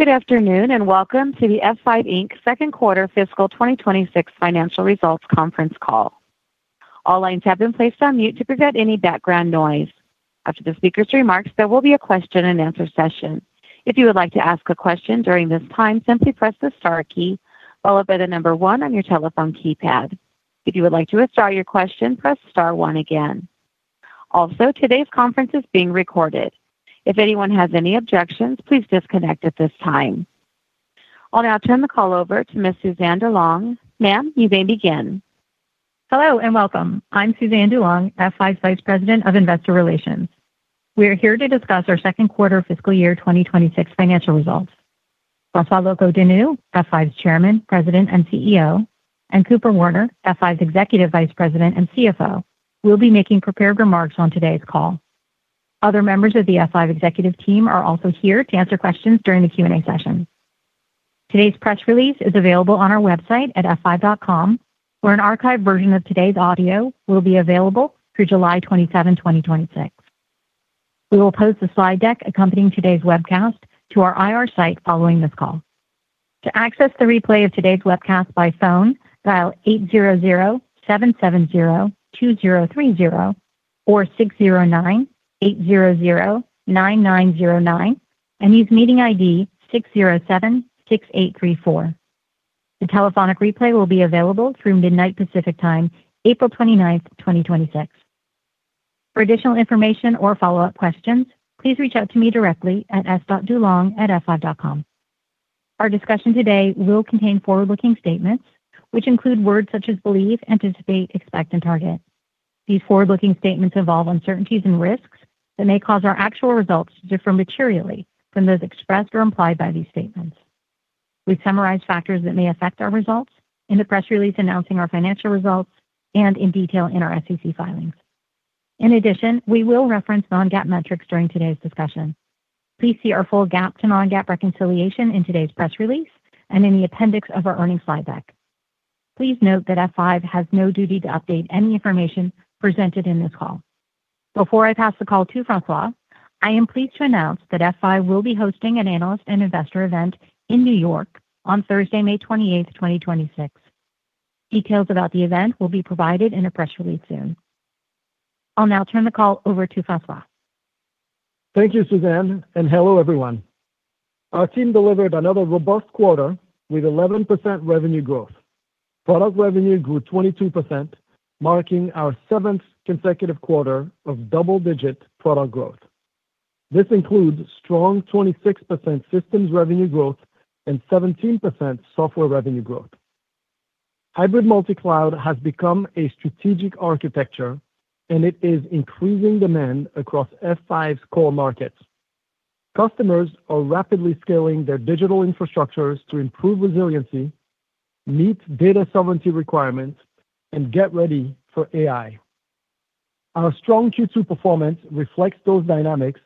Good afternoon, and welcome to the F5 Inc. Q2 fiscal 2026 financial results conference call. All lines have been placed on mute to prevent any background noise. After the speaker's remarks, there will be a question and answer session. If you would like to ask a question during this time, simply press the star key followed by the number one on your telephone keypad. If you would like to withdraw your question, press star one again. Also, today's conference is being recorded. If anyone has any objections, please disconnect at this time. I'll now turn the call over to Ms. Suzanne DuLong. Ma'am, you may begin. Hello, and welcome. I'm Suzanne DuLong, F5 Vice President of Investor Relations. We are here to discuss our Q2 fiscal year 2026 financial results. François Locoh-Donou, F5's Chairman, President, and CEO, and Cooper Werner, F5's Executive Vice President and CFO, will be making prepared remarks on today's call. Other members of the F5 executive team are also here to answer questions during the Q&A session. Today's press release is available on our website at f5.com, where an archived version of today's audio will be available through 27 July 2026. We will post the slide deck accompanying today's webcast to our IR site following this call. The telephonic replay will be available through midnight Pacific Time, 29 April 2026. For additional information or follow-up questions, please reach out to me directly at s.dulong@f5.com. Our discussion today will contain forward-looking statements which include words such as believe, anticipate, expect, and target. These forward-looking statements involve uncertainties and risks that may cause our actual results to differ materially from those expressed or implied by these statements. We've summarized factors that may affect our results in the press release announcing our financial results and in detail in our SEC filings. In addition, we will reference non-GAAP metrics during today's discussion. Please see our full GAAP to non-GAAP reconciliation in today's press release and in the appendix of our earnings slide deck. Please note that F5 has no duty to update any information presented in this call. Before I pass the call to François, I am pleased to announce that F5 will be hosting an analyst and investor event in N.Y. on Thursday, 28 May 2026. Details about the event will be provided in a press release soon. I'll now turn the call over to François. Thank you, Suzanne, and hello, everyone. Our team delivered another robust quarter with 11% revenue growth. Product revenue grew 22%, marking our seventh consecutive quarter of double-digit product growth. This includes strong 26% systems revenue growth and 17% software revenue growth. Hybrid multi-cloud has become a strategic architecture, and it is increasing demand across F5's core markets. Customers are rapidly scaling their digital infrastructures to improve resiliency, meet data sovereignty requirements, and get ready for AI. Our strong Q2 performance reflects those dynamics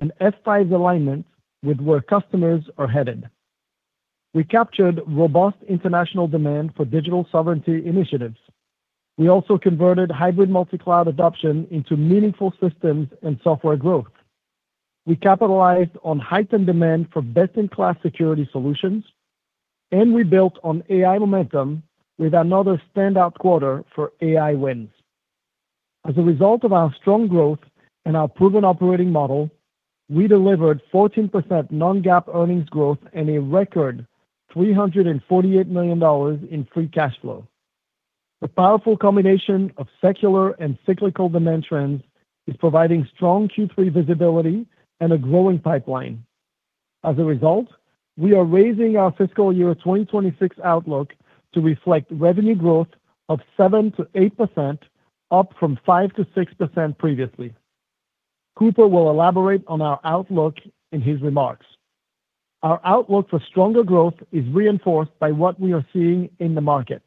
and F5's alignment with where customers are headed. We captured robust international demand for digital sovereignty initiatives. We also converted hybrid multi-cloud adoption into meaningful systems and software growth. We capitalized on heightened demand for best-in-class security solutions, and we built on AI momentum with another standout quarter for AI wins. As a result of our strong growth and our proven operating model, we delivered 14% non-GAAP earnings growth and a record $348 million in free cash flow. The powerful combination of secular and cyclical demand trends is providing strong Q3 visibility and a growing pipeline. We are raising our fiscal year 2026 outlook to reflect revenue growth of 7%-8%, up from 5%-6% previously. Cooper will elaborate on our outlook in his remarks. Our outlook for stronger growth is reinforced by what we are seeing in the market.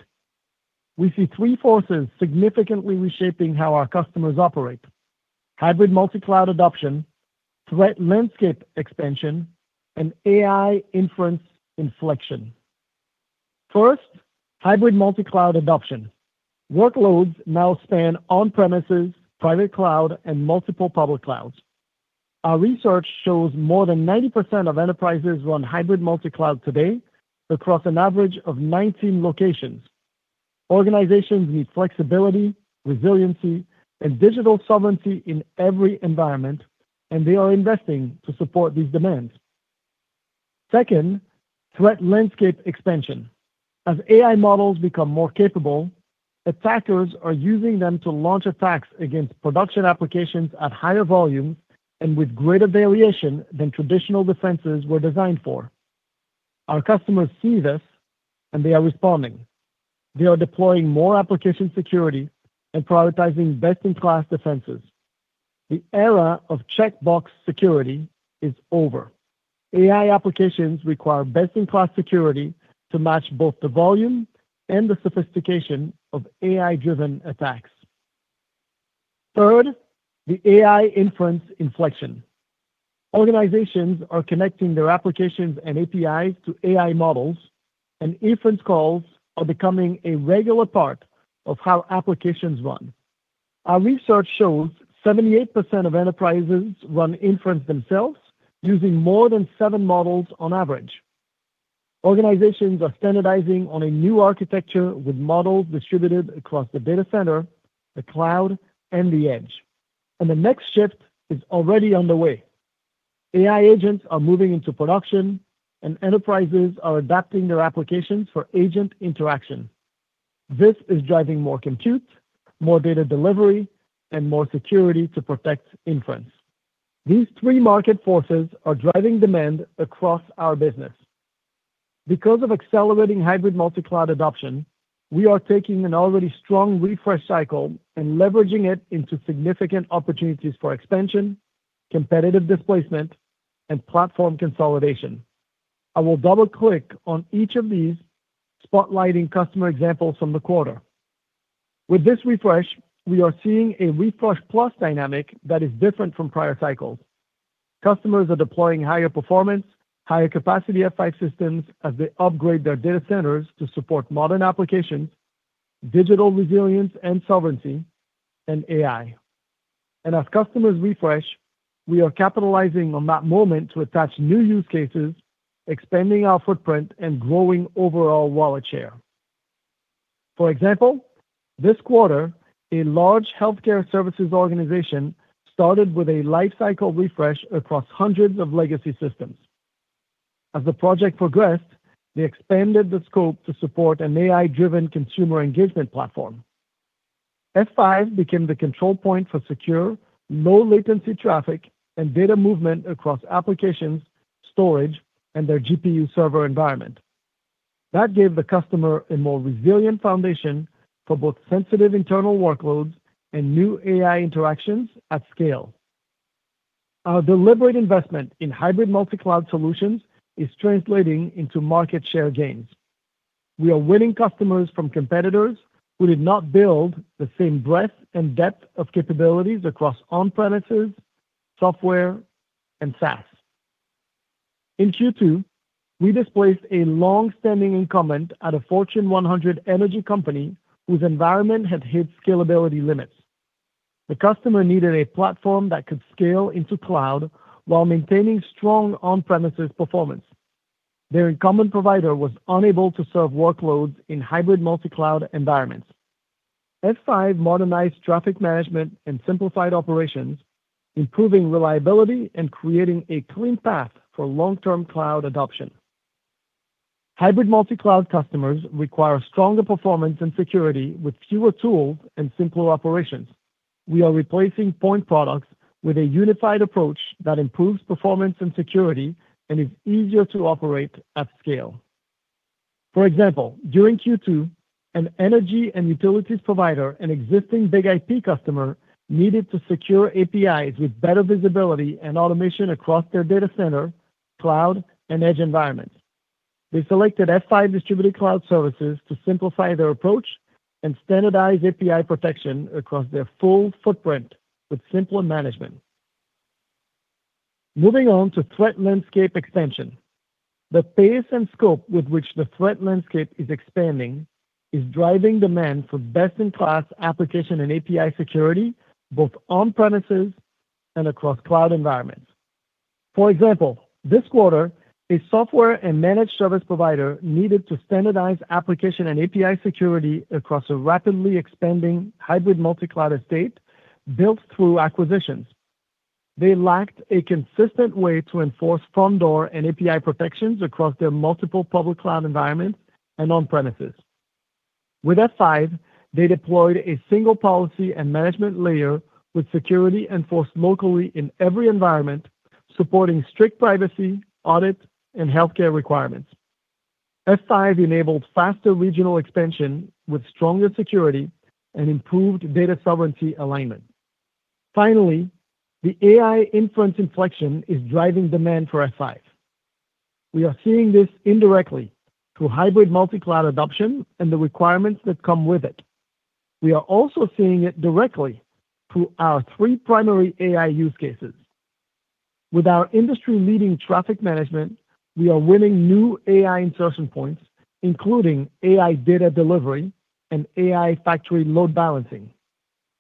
We see three forces significantly reshaping how our customers operate: hybrid multi-cloud adoption, threat landscape expansion, and AI inference inflection. First, hybrid multi-cloud adoption. Workloads now span on-premises, private cloud, and multiple public clouds. Our research shows more than 90% of enterprises run hybrid multi-cloud today across an average of 19 locations. Organizations need flexibility, resiliency, and digital sovereignty in every environment, and they are investing to support these demands. Second, threat landscape expansion. As AI models become more capable, attackers are using them to launch attacks against production applications at higher volume and with greater variation than traditional defenses were designed for. Our customers see this, and they are responding. They are deploying more application security and prioritizing best-in-class defenses. The era of checkbox security is over. AI applications require best-in-class security to match both the volume and the sophistication of AI-driven attacks. Third, the AI inference inflection. Organizations are connecting their applications and APIs to AI models, and inference calls are becoming a regular part of how applications run. Our research shows 78% of enterprises run inference themselves using more than seven models on average. Organizations are standardizing on a new architecture with models distributed across the data center, the cloud, and the edge. The next shift is already on the way. AI agents are moving into production, and enterprises are adapting their applications for agent interaction. This is driving more compute, more data delivery, and more security to protect inference. These three market forces are driving demand across our business. Because of accelerating hybrid multi-cloud adoption, we are taking an already strong refresh cycle and leveraging it into significant opportunities for expansion, competitive displacement, and platform consolidation. I will double-click on each of these, spotlighting customer examples from the quarter. With this refresh, we are seeing a refresh plus dynamic that is different from prior cycles. Customers are deploying higher performance, higher capacity F5 systems as they upgrade their data centers to support modern applications, digital resilience and sovereignty, and AI. As customers refresh, we are capitalizing on that moment to attach new use cases, expanding our footprint and growing overall wallet share. For example, this quarter, a large healthcare services organization started with a life cycle refresh across hundreds of legacy systems. As the project progressed, they expanded the scope to support an AI-driven consumer engagement platform. F5 became the control point for secure, low-latency traffic and data movement across applications, storage, and their GPU server environment. That gave the customer a more resilient foundation for both sensitive internal workloads and new AI interactions at scale. Our deliberate investment in hybrid multi-cloud solutions is translating into market share gains. We are winning customers from competitors who did not build the same breadth and depth of capabilities across on-premises, software, and SaaS. In Q2, we displaced a long-standing incumbent at a Fortune 100 energy company whose environment had hit scalability limits. The customer needed a platform that could scale into cloud while maintaining strong on-premises performance. Their incumbent provider was unable to serve workloads in hybrid multi-cloud environments. F5 modernized traffic management and simplified operations, improving reliability and creating a clean path for long-term cloud adoption. Hybrid multi-cloud customers require stronger performance and security with fewer tools and simpler operations. We are replacing point products with a unified approach that improves performance and security and is easier to operate at scale. For example, during Q2, an energy and utilities provider, an existing BIG-IP customer, needed to secure APIs with better visibility and automation across their data center, cloud, and edge environments. They selected F5 Distributed Cloud Services to simplify their approach and standardize API protection across their full footprint with simpler management. Moving on to threat landscape expansion. The pace and scope with which the threat landscape is expanding is driving demand for best-in-class application and API security, both on-premises and across cloud environments. For example, this quarter, a software and managed service provider needed to standardize application and API security across a rapidly expanding hybrid multi-cloud estate built through acquisitions. They lacked a consistent way to enforce front door and API protections across their multiple public cloud environments and on-premises. With F5, they deployed a single policy and management layer with security enforced locally in every environment, supporting strict privacy, audit, and healthcare requirements. F5 enabled faster regional expansion with stronger security and improved data sovereignty alignment. Finally, the AI inference inflection is driving demand for F5. We are seeing this indirectly through hybrid multi-cloud adoption and the requirements that come with it. We are also seeing it directly through our three primary AI use cases. We are winning new AI insertion points, including AI data delivery and AI factory load balancing.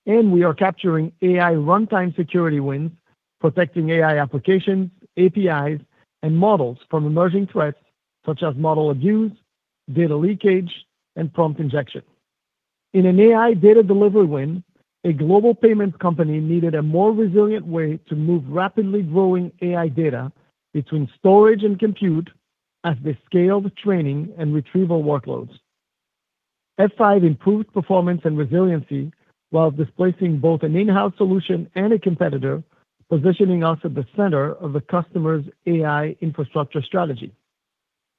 We are capturing AI runtime security wins, protecting AI applications, APIs, and models from emerging threats such as model abuse, data leakage, and prompt injection. In an AI data delivery win, a global payments company needed a more resilient way to move rapidly growing AI data between storage and compute as they scaled training and retrieval workloads. F5 improved performance and resiliency while displacing both an in-house solution and a competitor, positioning us at the center of the customer's AI infrastructure strategy.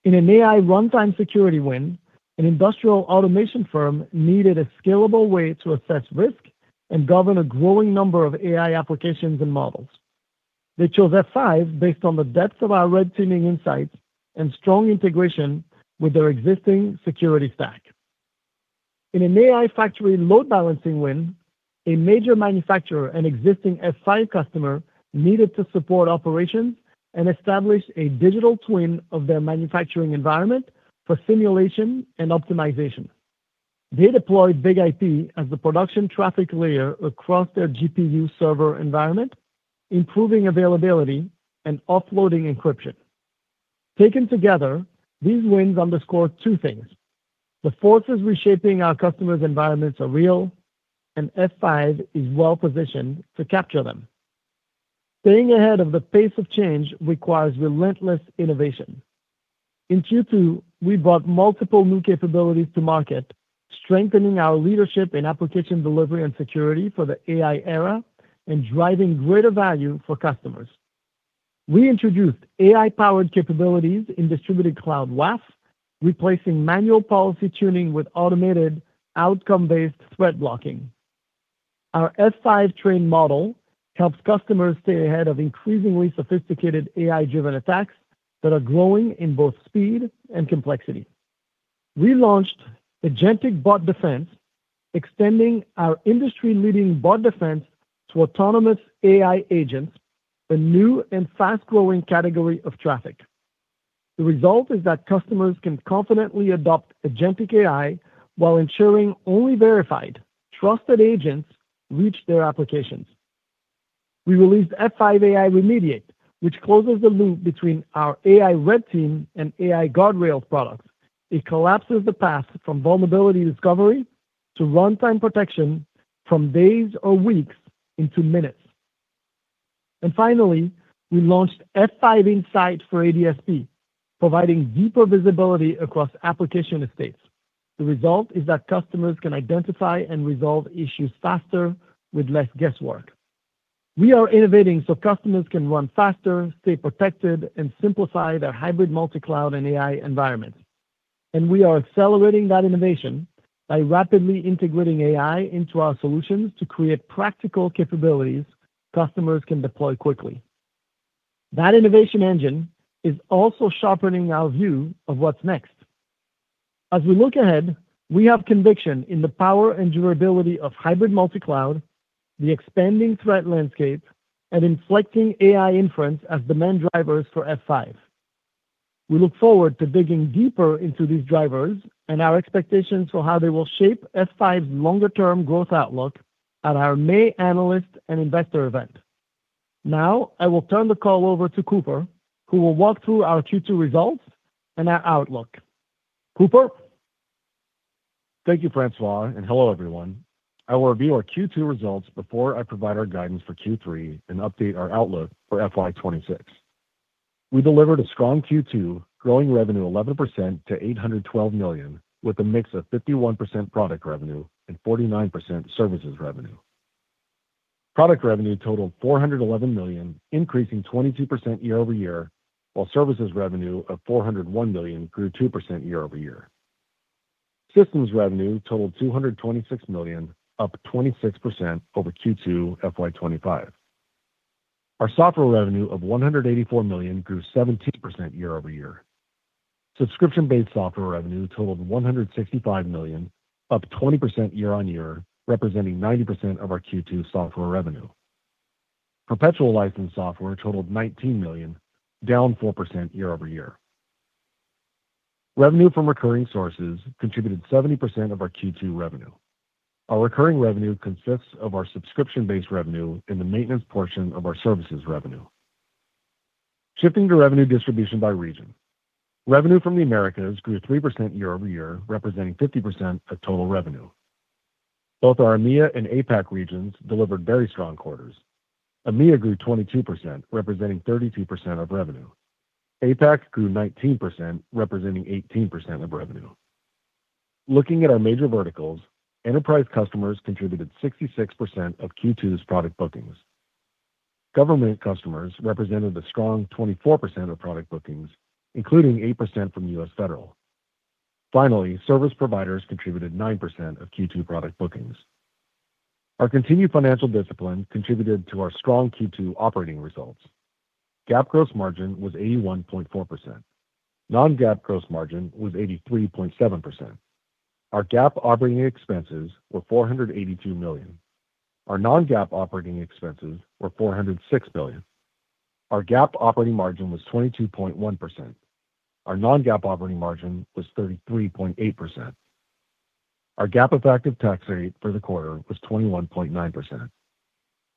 In an AI runtime security win, an industrial automation firm needed a scalable way to assess risk and govern a growing number of AI applications and models. They chose F5 based on the depth of our red teaming insights and strong integration with their existing security stack. In an AI factory load balancing win, a major manufacturer and existing F5 customer needed to support operations and establish a digital twin of their manufacturing environment for simulation and optimization. They deployed BIG-IP as the production traffic layer across their GPU server environment, improving availability and offloading encryption. Taken together, these wins underscore two things. The forces reshaping our customers' environments are real, and F5 is well positioned to capture them. Staying ahead of the pace of change requires relentless innovation. In Q2, we brought multiple new capabilities to market, strengthening our leadership in application delivery and security for the AI era and driving greater value for customers. We introduced AI-powered capabilities in Distributed Cloud WAF, replacing manual policy tuning with automated outcome-based threat blocking. Our F5 Train model helps customers stay ahead of increasingly sophisticated AI-driven attacks that are growing in both speed and complexity. We launched Agentic Bot Defense, extending our industry-leading bot defense to autonomous AI agents, a new and fast-growing category of traffic. The result is that customers can confidently adopt agentic AI while ensuring only verified, trusted agents reach their applications. We released F5 AI Remediate, which closes the loop between our AI Red Team and AI Guardrails products. It collapses the path from vulnerability discovery to runtime protection from days or weeks into minutes. Finally, we launched F5 Insight for ADSP, providing deeper visibility across application estates. The result is that customers can identify and resolve issues faster with less guesswork. We are innovating so customers can run faster, stay protected, and simplify their hybrid multi-cloud and AI environment. We are accelerating that innovation by rapidly integrating AI into our solutions to create practical capabilities customers can deploy quickly. That innovation engine is also sharpening our view of what's next. As we look ahead, we have conviction in the power and durability of hybrid multi-cloud, the expanding threat landscape, and inflecting AI inference as the main drivers for F5. We look forward to digging deeper into these drivers and our expectations for how they will shape F5's longer-term growth outlook at our May analyst and investor event. I will turn the call over to Cooper, who will walk through our Q2 results and our outlook. Cooper. Thank you, François, and hello, everyone. I will review our Q2 results before I provide our guidance for Q3 and update our outlook for FY 2026. We delivered a strong Q2, growing revenue 11% to $812 million, with a mix of 51% product revenue and 49% services revenue. Product revenue totaled $411 million, increasing 22% year-over-year, while services revenue of $401 million grew 2% year-over-year. Systems revenue totaled $226 million, up 26% over Q2 FY 2025. Our software revenue of $184 million grew 17% year-over-year. Subscription-based software revenue totaled $165 million, up 20% year-on-year, representing 90% of our Q2 software revenue. Perpetual license software totaled $19 million, down 4% year-over-year. Revenue from recurring sources contributed 70% of our Q2 revenue. Our recurring revenue consists of our subscription-based revenue and the maintenance portion of our services revenue. Shifting to revenue distribution by region. Revenue from the Americas grew 3% year-over-year, representing 50% of total revenue. Both our EMEA and APAC regions delivered very strong quarters. EMEA grew 22%, representing 32% of revenue. APAC grew 19%, representing 18% of revenue. Looking at our major verticals, enterprise customers contributed 66% of Q2's product bookings. Government customers represented a strong 24% of product bookings, including 8% from US Federal. Service providers contributed 9% of Q2 product bookings. Our continued financial discipline contributed to our strong Q2 operating results. GAAP gross margin was 81.4%. non-GAAP gross margin was 83.7%. Our GAAP operating expenses were $482 million. Our non-GAAP operating expenses were $406 million. Our GAAP operating margin was 22.1%. Our non-GAAP operating margin was 33.8%. Our GAAP effective tax rate for the quarter was 21.9%.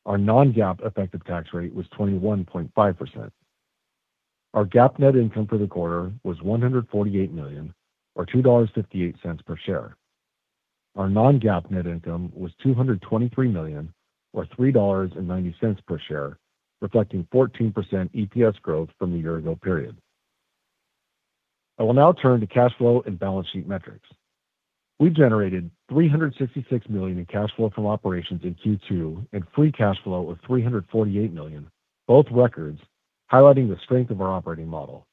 Our non-GAAP effective tax rate was 21.5%. Our GAAP net income for the quarter was $148 million or $2.58 per share. Our non-GAAP net income was $223 million or $3.90 per share, reflecting 14% EPS growth from the year ago period. I will now turn to cash flow and balance sheet metrics. We generated $366 million in cash flow from operations in Q2 and free cash flow of $348 million, both records highlighting the strength of our operating model.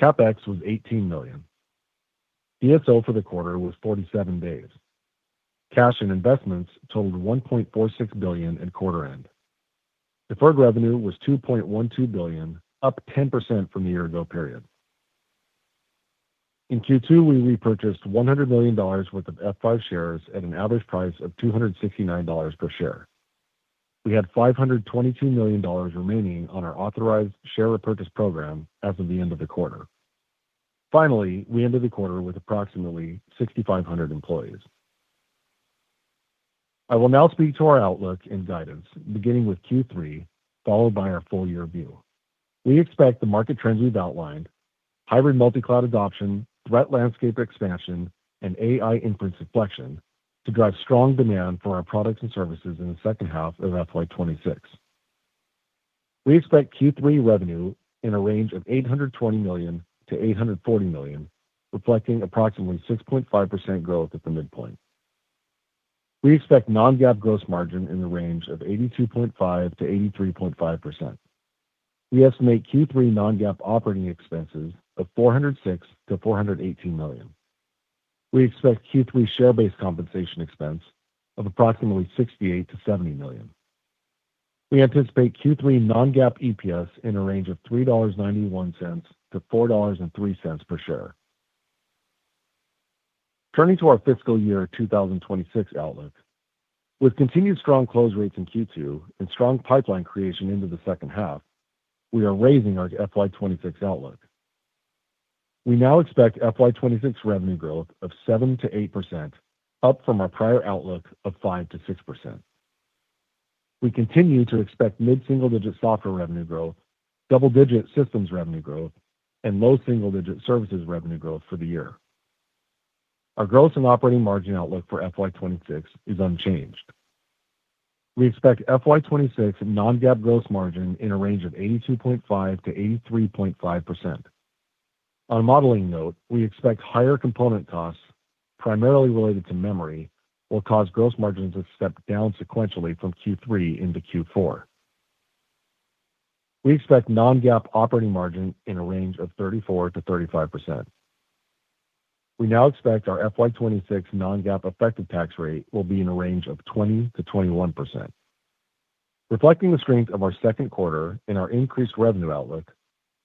CapEx was $18 million. DSO for the quarter was 47 days. Cash and investments totaled $1.46 billion at quarter end. Deferred revenue was $2.12 billion, up 10% from the year ago period. In Q2, we repurchased $100 million worth of F5 shares at an average price of $269 per share. We had $522 million remaining on our authorized share repurchase program as of the end of the quarter. We ended the quarter with approximately 6,500 employees. I will now speak to our outlook and guidance, beginning with Q3, followed by our full year view. We expect the market trends we've outlined, hybrid multi-cloud adoption, threat landscape expansion, and AI inference inflection, to drive strong demand for our products and services in the second half of FY 2026. We expect Q3 revenue in a range of $820 million-$840 million, reflecting approximately 6.5% growth at the midpoint. We expect non-GAAP gross margin in the range of 82.5%-83.5%. We estimate Q3 non-GAAP operating expenses of $406 million-$418 million. We expect Q3 share-based compensation expense of approximately $68 million-$70 million. We anticipate Q3 non-GAAP EPS in a range of $3.91-$4.03 per share. Turning to our fiscal year 2026 outlook. With continued strong close rates in Q2 and strong pipeline creation into the second half, we are raising our FY 2026 outlook. We now expect FY 2026 revenue growth of 7%-8%, up from our prior outlook of 5%-6%. We continue to expect mid-single-digit software revenue growth, double-digit systems revenue growth, and low single-digit services revenue growth for the year. Our gross and operating margin outlook for FY 2026 is unchanged. We expect FY 2026 non-GAAP gross margin in a range of 82.5%-83.5%. On a modeling note, we expect higher component costs, primarily related to memory, will cause gross margins to step down sequentially from Q3 into Q4. We expect non-GAAP operating margin in a range of 34%-35%. We now expect our FY 2026 non-GAAP effective tax rate will be in a range of 20%-21%. Reflecting the strength of our Q2 and our increased revenue outlook,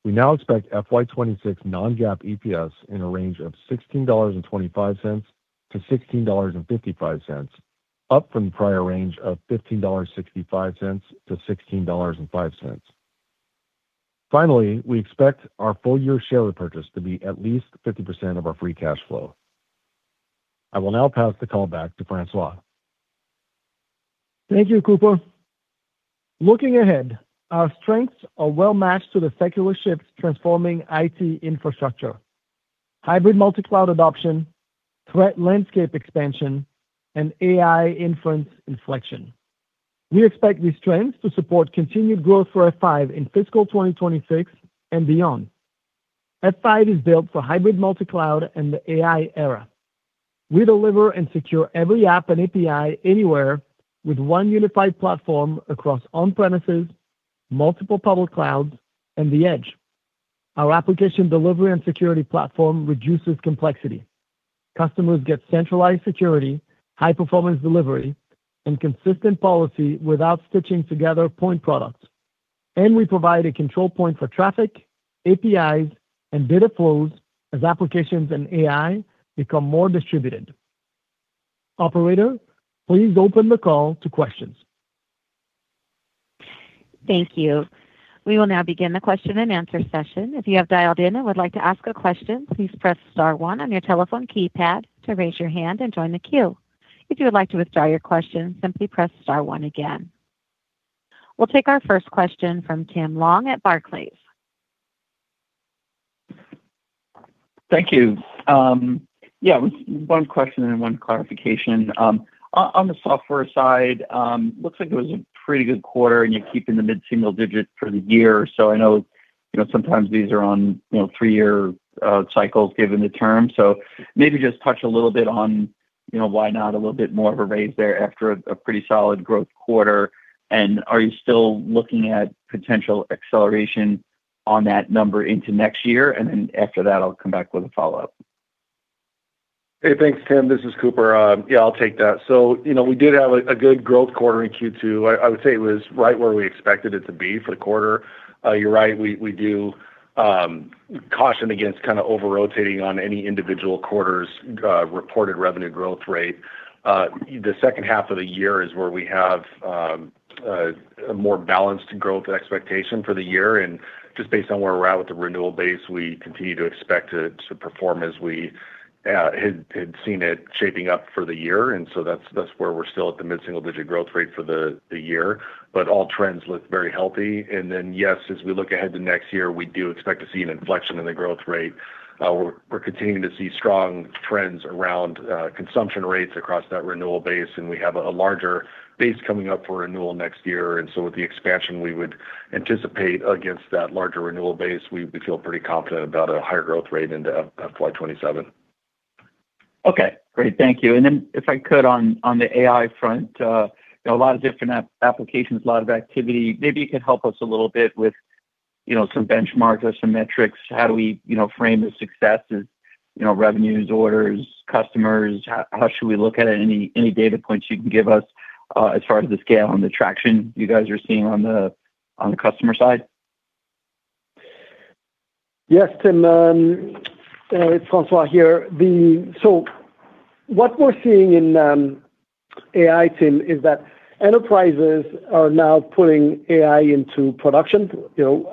we now expect FY 2026 non-GAAP EPS in a range of $16.25-$16.55, up from the prior range of $15.65-$16.05. Finally, we expect our full year share repurchase to be at least 50% of our free cash flow. I will now pass the call back to François. Thank you, Cooper. Looking ahead, our strengths are well matched to the secular shifts transforming IT infrastructure, hybrid multi-cloud adoption, threat landscape expansion, and AI inference inflection. We expect these trends to support continued growth for F5 in fiscal 2026 and beyond. F5 is built for hybrid multi-cloud and the AI era. We deliver and secure every app and API anywhere with one unified platform across on-premises, multiple public clouds, and the edge. Our Application Delivery and Security Platform reduces complexity. Customers get centralized security, high performance delivery, and consistent policy without stitching together point products. We provide a control point for traffic, APIs, and data flows as applications and AI become more distributed. Operator, please open the call to questions. Thank you. We will now begin the question and answer session. If you have dialed in and would like to ask a question, please press star one on your telephone keypad to raise your hand and join the queue. If you would like to withdraw your question, simply press star one again. We'll take our first question from Tim Long at Barclays. Thank you. One question and one clarification. On the software side, looks like it was a pretty good quarter, and you're keeping the mid-single digit for the year. I know, you know, sometimes these are on, you know, three-year cycles given the term. Maybe just touch a little bit on, you know, why not a little bit more of a raise there after a pretty solid growth quarter. Are you still looking at potential acceleration on that number into next year? After that, I'll come back with a follow-up. Hey, thanks, Tim. This is Cooper. Yeah, I'll take that. You know, we did have a good growth quarter in Q2. I would say it was right where we expected it to be for the quarter. You're right, we do caution against kind of over-rotating on any individual quarter's reported revenue growth rate. The second half of the year is where we have a more balanced growth expectation for the year. Just based on where we're at with the renewal base, we continue to expect it to perform as we had seen it shaping up for the year. That's where we're still at the mid-single digit growth rate for the year. All trends look very healthy. Yes, as we look ahead to next year, we do expect to see an inflection in the growth rate. We're continuing to see strong trends around consumption rates across that renewal base, and we have a larger base coming up for renewal next year. With the expansion we would anticipate against that larger renewal base, we feel pretty confident about a higher growth rate into FY 2027. Okay, great. Thank you. If I could on the AI front, you know, a lot of different applications, a lot of activity. Maybe you could help us a little bit with, you know, some benchmarks or some metrics. How do we, you know, frame the success as, you know, revenues, orders, customers? How should we look at it? Any data points you can give us as far as the scale and the traction you guys are seeing on the On the customer side? Yes, Tim. It's François here. What we're seeing in AI, Tim, is that enterprises are now putting AI into production, you know,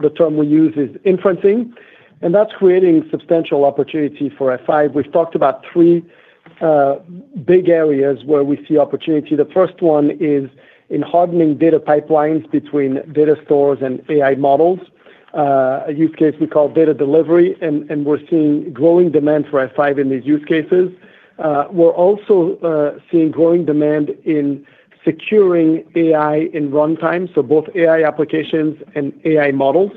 the term we use is inferencing, and that's creating substantial opportunity for F5. We've talked about three big areas where we see opportunity. The first one is in hardening data pipelines between data stores and AI models, a use case we call data delivery, and we're seeing growing demand for F5 in these use cases. We're also seeing growing demand in securing AI in runtime, so both AI applications and AI models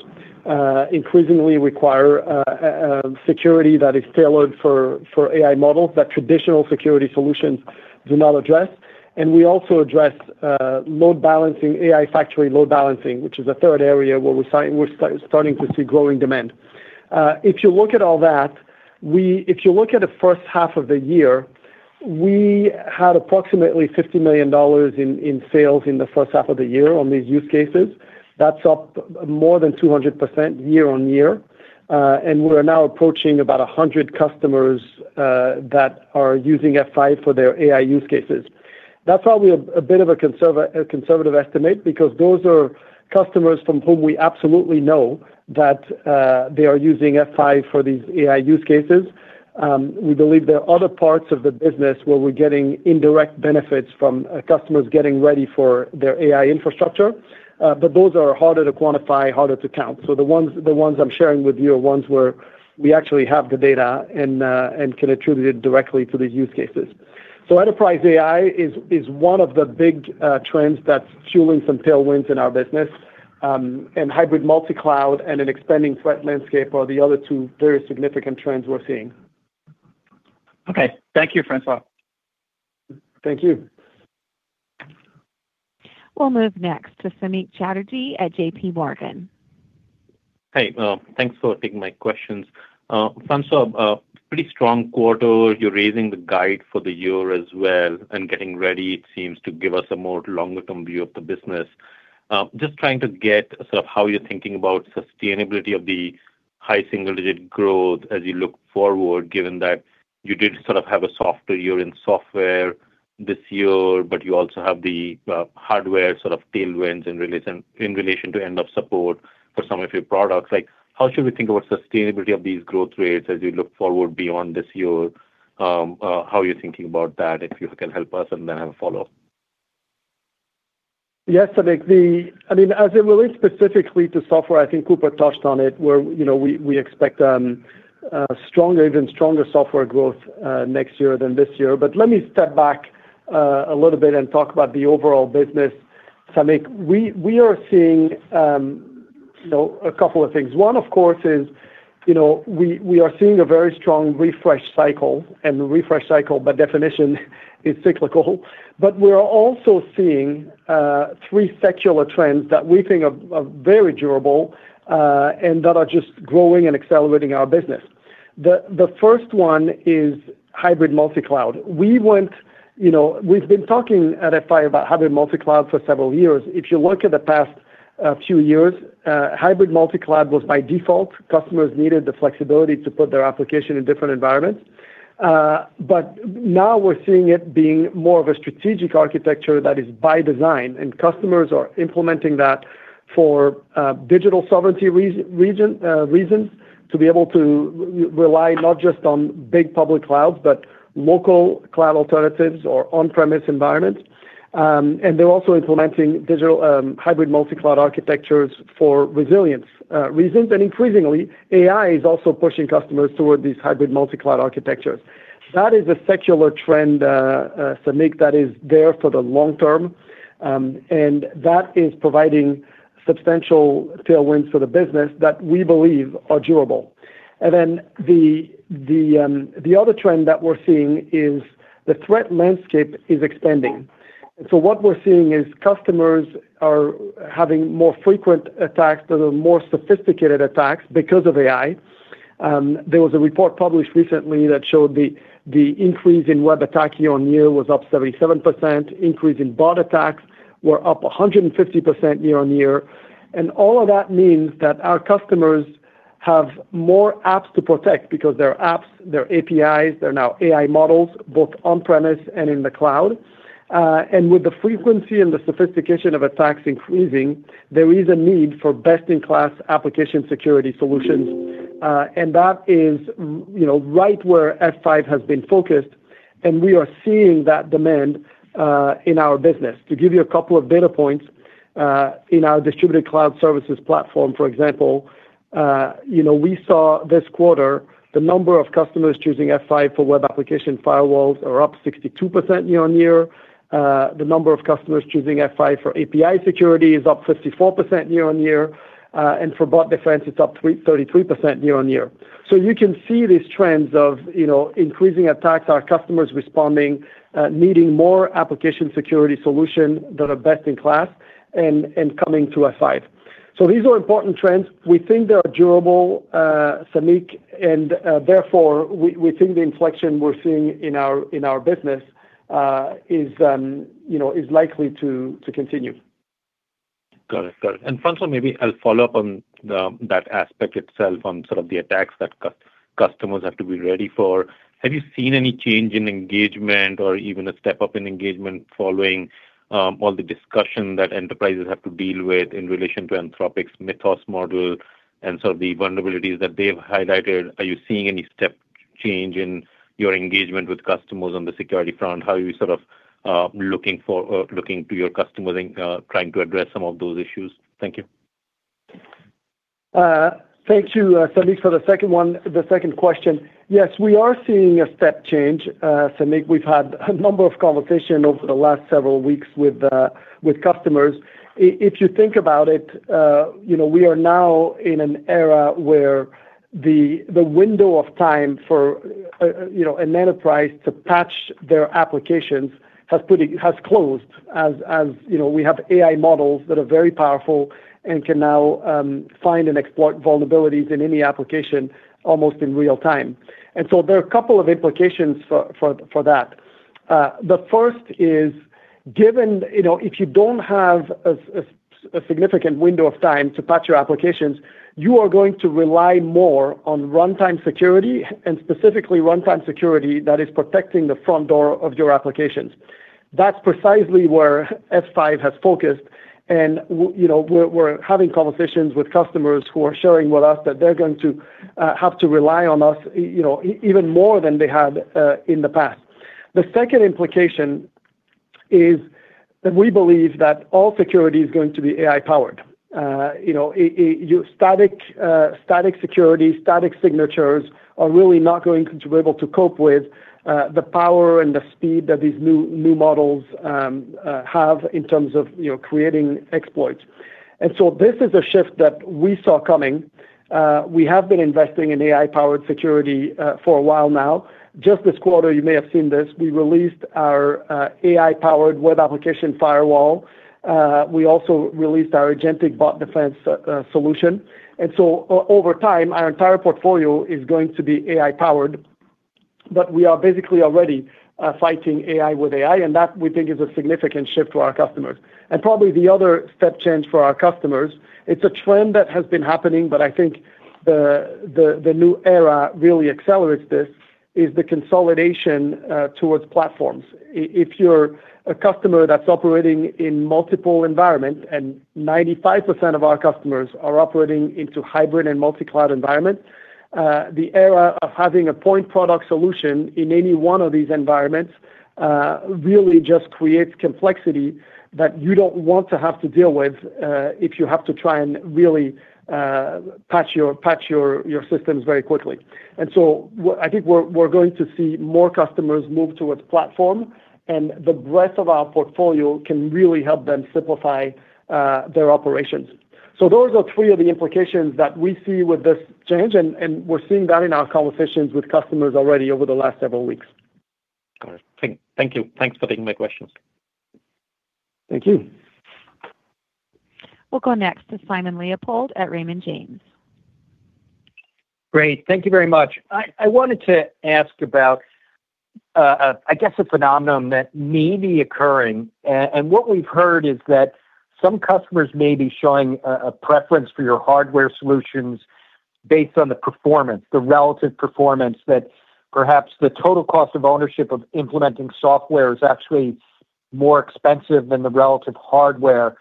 increasingly require security that is tailored for AI models that traditional security solutions do not address. We also address load balancing, AI factory load balancing, which is a third area where we're starting to see growing demand. If you look at all that, if you look at the H1 of the year, we had approximately $50 million in sales in the H1 of the year on these use cases. That's up more than 200% year-on-year. We're now approaching about 100 customers that are using F5 for their AI use cases. That's probably a bit of a conservative estimate because those are customers from whom we absolutely know that they are using F5 for these AI use cases. We believe there are other parts of the business where we're getting indirect benefits from customers getting ready for their AI infrastructure, but those are harder to quantify, harder to count. The ones I'm sharing with you are ones where we actually have the data and can attribute it directly to these use cases. Enterprise AI is one of the big trends that's fueling some tailwinds in our business. Hybrid multi-cloud and an expanding threat landscape are the other two very significant trends we're seeing. Okay. Thank you, François. Thank you. We'll move next to Samik Chatterjee at JPMorgan. Hey. Thanks for taking my questions. François, a pretty strong quarter. You're raising the guide for the year as well and getting ready, it seems, to give us a more longer-term view of the business. Just trying to get sort of how you're thinking about sustainability of the high single-digit growth as you look forward, given that you did sort of have a softer year in software this year, but you also have the hardware sort of tailwinds in relation to end of support for some of your products. Like, how should we think about sustainability of these growth rates as you look forward beyond this year? How are you thinking about that, if you can help us, then I have a follow-up. Yes, Samik. I mean, as it relates specifically to software, I think Cooper touched on it, where, you know, we expect stronger, even stronger software growth next year than this year. Let me step back a little bit and talk about the overall business, Samik. We are seeing, you know, a couple of things. One, of course, is, you know, we are seeing a very strong refresh cycle, and the refresh cycle, by definition, is cyclical. We're also seeing three secular trends that we think are very durable and that are just growing and accelerating our business. The first one is hybrid multi-cloud. You know, we've been talking at F5 about hybrid multi-cloud for several years. If you look at the past few years, hybrid multi-cloud was by default. Customers needed the flexibility to put their application in different environments. Now we're seeing it being more of a strategic architecture that is by design, and customers are implementing that for digital sovereignty reasons to be able to rely not just on big public clouds but local cloud alternatives or on-premise environments. They're also implementing digital hybrid multi-cloud architectures for resilience reasons. Increasingly, AI is also pushing customers toward these hybrid multi-cloud architectures. That is a secular trend, Samik, that is there for the long term, and that is providing substantial tailwinds for the business that we believe are durable. The other trend that we're seeing is the threat landscape is expanding. What we're seeing is customers are having more frequent attacks that are more sophisticated attacks because of AI. There was a report published recently that showed the increase in web attack year-on-year was up 77%. Increase in bot attacks were up 150% year-on-year. All of that means that our customers have more apps to protect because their apps, their APIs, their now AI models, both on premise and in the cloud. With the frequency and the sophistication of attacks increasing, there is a need for best-in-class application security solutions, and that is, you know, right where F5 has been focused, and we are seeing that demand in our business. To give you a couple of data points, in our Distributed Cloud Services platform, for example, you know, we saw this quarter the number of customers choosing F5 for web application firewalls are up 62% year-on-year. The number of customers choosing F5 for API security is up 54% year-over-year. And for bot defense, it's up 33% year-over-year. You can see these trends of, you know, increasing attacks, our customers responding, needing more application security solution that are best in class and coming to F5. These are important trends. We think they are durable, Samik, and therefore, we think the inflection we're seeing in our business is, you know, is likely to continue. Got it. Got it. François, maybe I'll follow up on that aspect itself on sort of the attacks that customers have to be ready for. Have you seen any change in engagement or even a step up in engagement following all the discussion that enterprises have to deal with in relation to Anthropic's Mythos model and sort of the vulnerabilities that they've highlighted? Are you seeing any step change in your engagement with customers on the security front? How are you sort of looking for or looking to your customers and trying to address some of those issues? Thank you. Thank you, Samik, for the second one, the second question. Yes, we are seeing a step change, Samik. We've had a number of conversations over the last several weeks with customers. If you think about it, you know, we are now in an era where the window of time for, you know, an enterprise to patch their applications has closed as, you know, we have AI models that are very powerful and can now find and exploit vulnerabilities in any application almost in real time. There are a couple of implications for that. The first is given, you know, if you don't have a significant window of time to patch your applications, you are going to rely more on runtime security, and specifically runtime security that is protecting the front door of your applications. That's precisely where F5 has focused and you know, we're having conversations with customers who are sharing with us that they're going to have to rely on us, you know, even more than they have in the past. The second implication is that we believe that all security is going to be AI-powered. You know, your static security, static signatures are really not going to be able to cope with the power and the speed that these new models have in terms of, you know, creating exploits. This is a shift that we saw coming. We have been investing in AI-powered security for a while now. Just this quarter, you may have seen this, we released our AI-powered web application firewall. We also released our Agentic Bot Defense solution. Over time, our entire portfolio is going to be AI-powered, but we are basically already fighting AI with AI, and that we think is a significant shift for our customers. Probably the other step change for our customers, it's a trend that has been happening, but I think the new era really accelerates this, is the consolidation towards platforms. If you're a customer that's operating in multiple environments, 95% of our customers are operating into hybrid and multi-cloud environments, the era of having a point product solution in any one of these environments really just creates complexity that you don't want to have to deal with if you have to try and really patch your systems very quickly. I think we're going to see more customers move towards platform, and the breadth of our portfolio can really help them simplify their operations. Those are three of the implications that we see with this change, and we're seeing that in our conversations with customers already over the last several weeks. Got it. Thank you. Thanks for taking my questions. Thank you. We'll go next to Simon Leopold at Raymond James. Great. Thank you very much. I wanted to ask about, I guess a phenomenon that may be occurring. What we've heard is that some customers may be showing a preference for your hardware solutions based on the performance, the relative performance that perhaps the total cost of ownership of implementing software is actually more expensive than the relative hardware.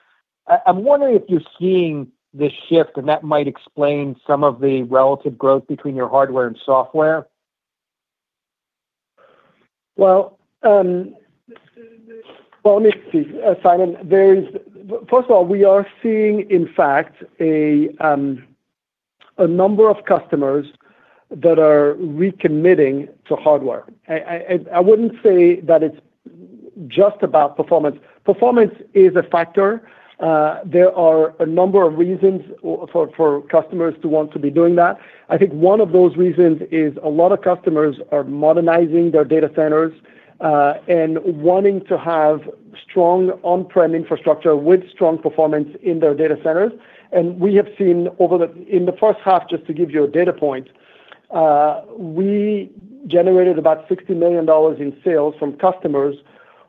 I'm wondering if you're seeing this shift and that might explain some of the relative growth between your hardware and software. Simon, first of all, we are seeing, in fact, a number of customers that are recommitting to hardware. I wouldn't say that it's just about performance. Performance is a factor. There are a number of reasons for customers to want to be doing that. I think one of those reasons is a lot of customers are modernizing their data centers and wanting to have strong on-prem infrastructure with strong performance in their data centers. We have seen In the H1, just to give you a data point, we generated about $60 million in sales from customers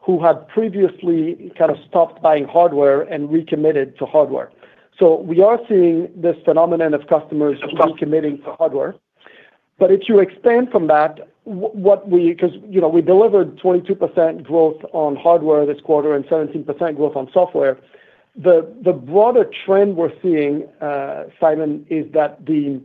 who had previously kind of stopped buying hardware and recommitted to hardware. We are seeing this phenomenon of customers recommitting to hardware. If you expand from that, 'cause, you know, we delivered 22% growth on hardware this quarter and 17% growth on software. The broader trend we're seeing, Simon, is that the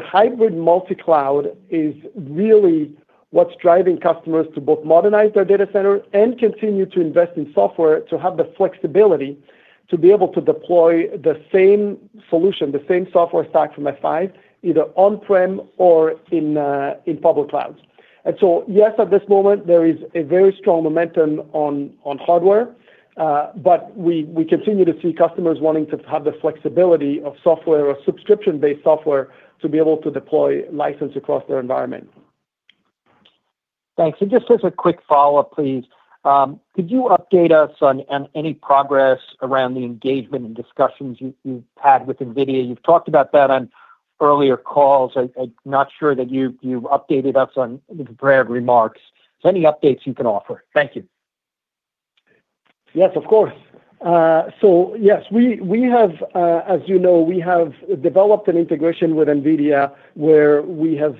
hybrid multi-cloud is really what's driving customers to both modernize their data center and continue to invest in software to have the flexibility to be able to deploy the same solution, the same software stack from F5, either on-prem or in public clouds. Yes, at this moment, there is a very strong momentum on hardware, but we continue to see customers wanting to have the flexibility of software or subscription-based software to be able to deploy license across their environment. Thanks. Just as a quick follow-up, please, could you update us on any progress around the engagement and discussions you've had with NVIDIA? You've talked about that on earlier calls. I'm not sure that you've updated us on in the prepared remarks. Any updates you can offer? Thank you. Of course. Yes, we have, as you know, we have developed an integration with NVIDIA where we have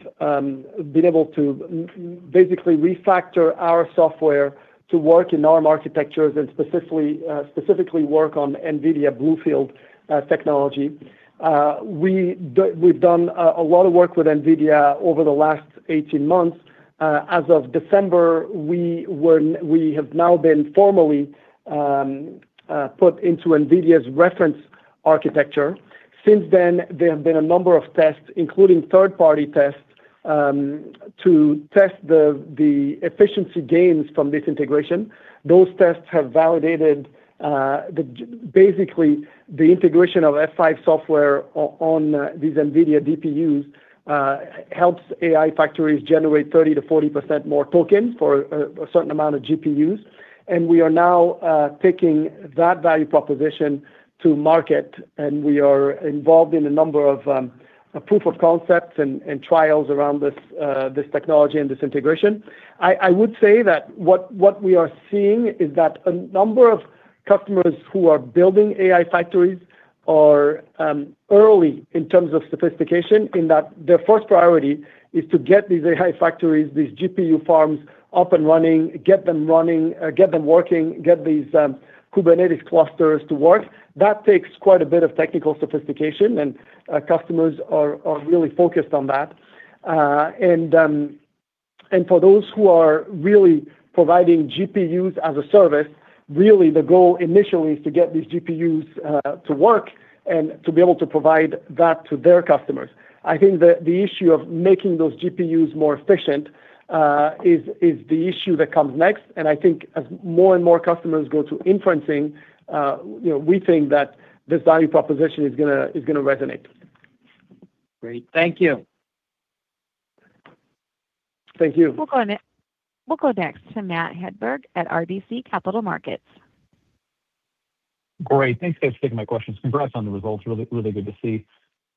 been able to basically refactor our software to work in ARM architectures and specifically work on NVIDIA BlueField technology. We've done a lot of work with NVIDIA over the last 18 months. As of December, we have now been formally put into NVIDIA's reference architecture. Since then, there have been a number of tests, including third-party tests, to test the efficiency gains from this integration. Those tests have validated, basically, the integration of F5 software on these NVIDIA DPUs helps AI factories generate 30%-40% more tokens for a certain amount of GPUs. We are now taking that value proposition to market, and we are involved in a number of proof of concepts and trials around this technology and this integration. I would say that what we are seeing is that a number of customers who are building AI factories are early in terms of sophistication in that their first priority is to get these AI factories, these GPU farms up and running, get them running, get them working, get these Kubernetes clusters to work. That takes quite a bit of technical sophistication, customers are really focused on that. For those who are really providing GPUs as a service, really the goal initially is to get these GPUs to work and to be able to provide that to their customers. I think the issue of making those GPUs more efficient is the issue that comes next. I think as more and more customers go to inferencing, you know, we think that this value proposition is gonna resonate. Great. Thank you. Thank you. We'll go next to Matt Hedberg at RBC Capital Markets. Great. Thanks, guys, for taking my questions. Congrats on the results. Really, really good to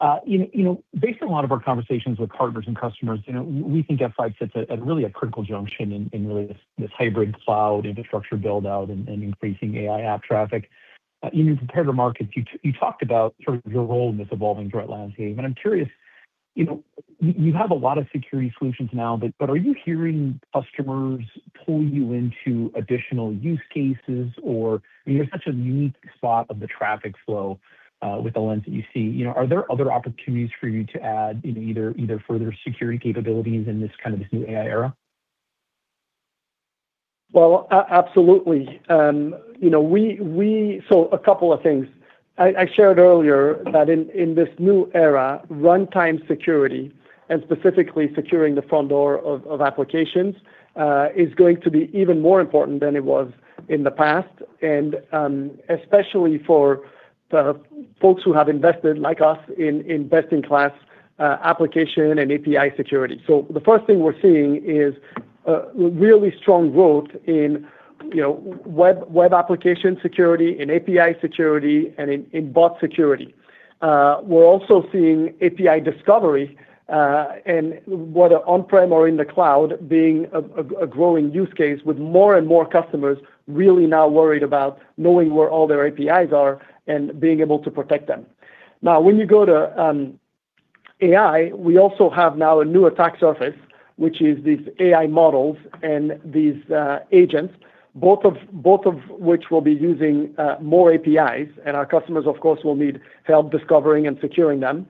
see. You know, you know, based on a lot of our conversations with partners and customers, you know, we think F5 sits at really a critical junction in really this hybrid cloud infrastructure build-out and increasing AI app traffic. In your prepared remarks, you talked about sort of your role in this evolving threat landscape. I'm curious, you know, you have a lot of security solutions now, but are you hearing customers pull you into additional use cases? I mean, you're such a unique spot of the traffic flow with the lens that you see. You know, are there other opportunities for you to add, you know, either further security capabilities in this kind of this new AI era? Absolutely. You know, a couple of things. I shared earlier that in this new era, runtime security, and specifically securing the front door of applications, is going to be even more important than it was in the past, and especially for the folks who have invested, like us, in best-in-class application and API security. The first thing we're seeing is really strong growth in, you know, web application security, in API security, and in bot security. We're also seeing API discovery, and whether on-prem or in the cloud, being a growing use case with more and more customers really now worried about knowing where all their APIs are and being able to protect them. When you go to AI, we also have now a new attack surface, which is these AI models and these agents, both of which will be using more APIs, and our customers, of course, will need help discovering and securing them.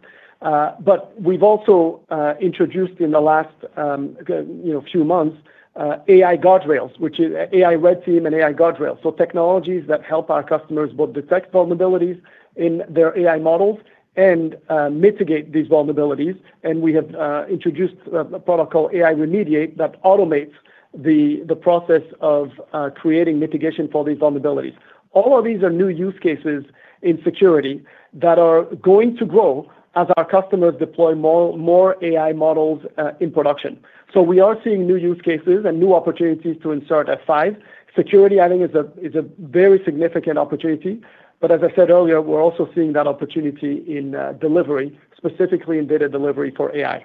We've also introduced in the last, you know, few months, AI Guardrails, which is AI Red Team and AI Guardrails. Technologies that help our customers both detect vulnerabilities in their AI models and mitigate these vulnerabilities. We have introduced a product called AI Remediate that automates the process of creating mitigation for these vulnerabilities. All of these are new use cases in security that are going to grow as our customers deploy more AI models in production. We are seeing new use cases and new opportunities to insert F5. Security, I think, is a very significant opportunity. As I said earlier, we're also seeing that opportunity in delivery, specifically in data delivery for AI.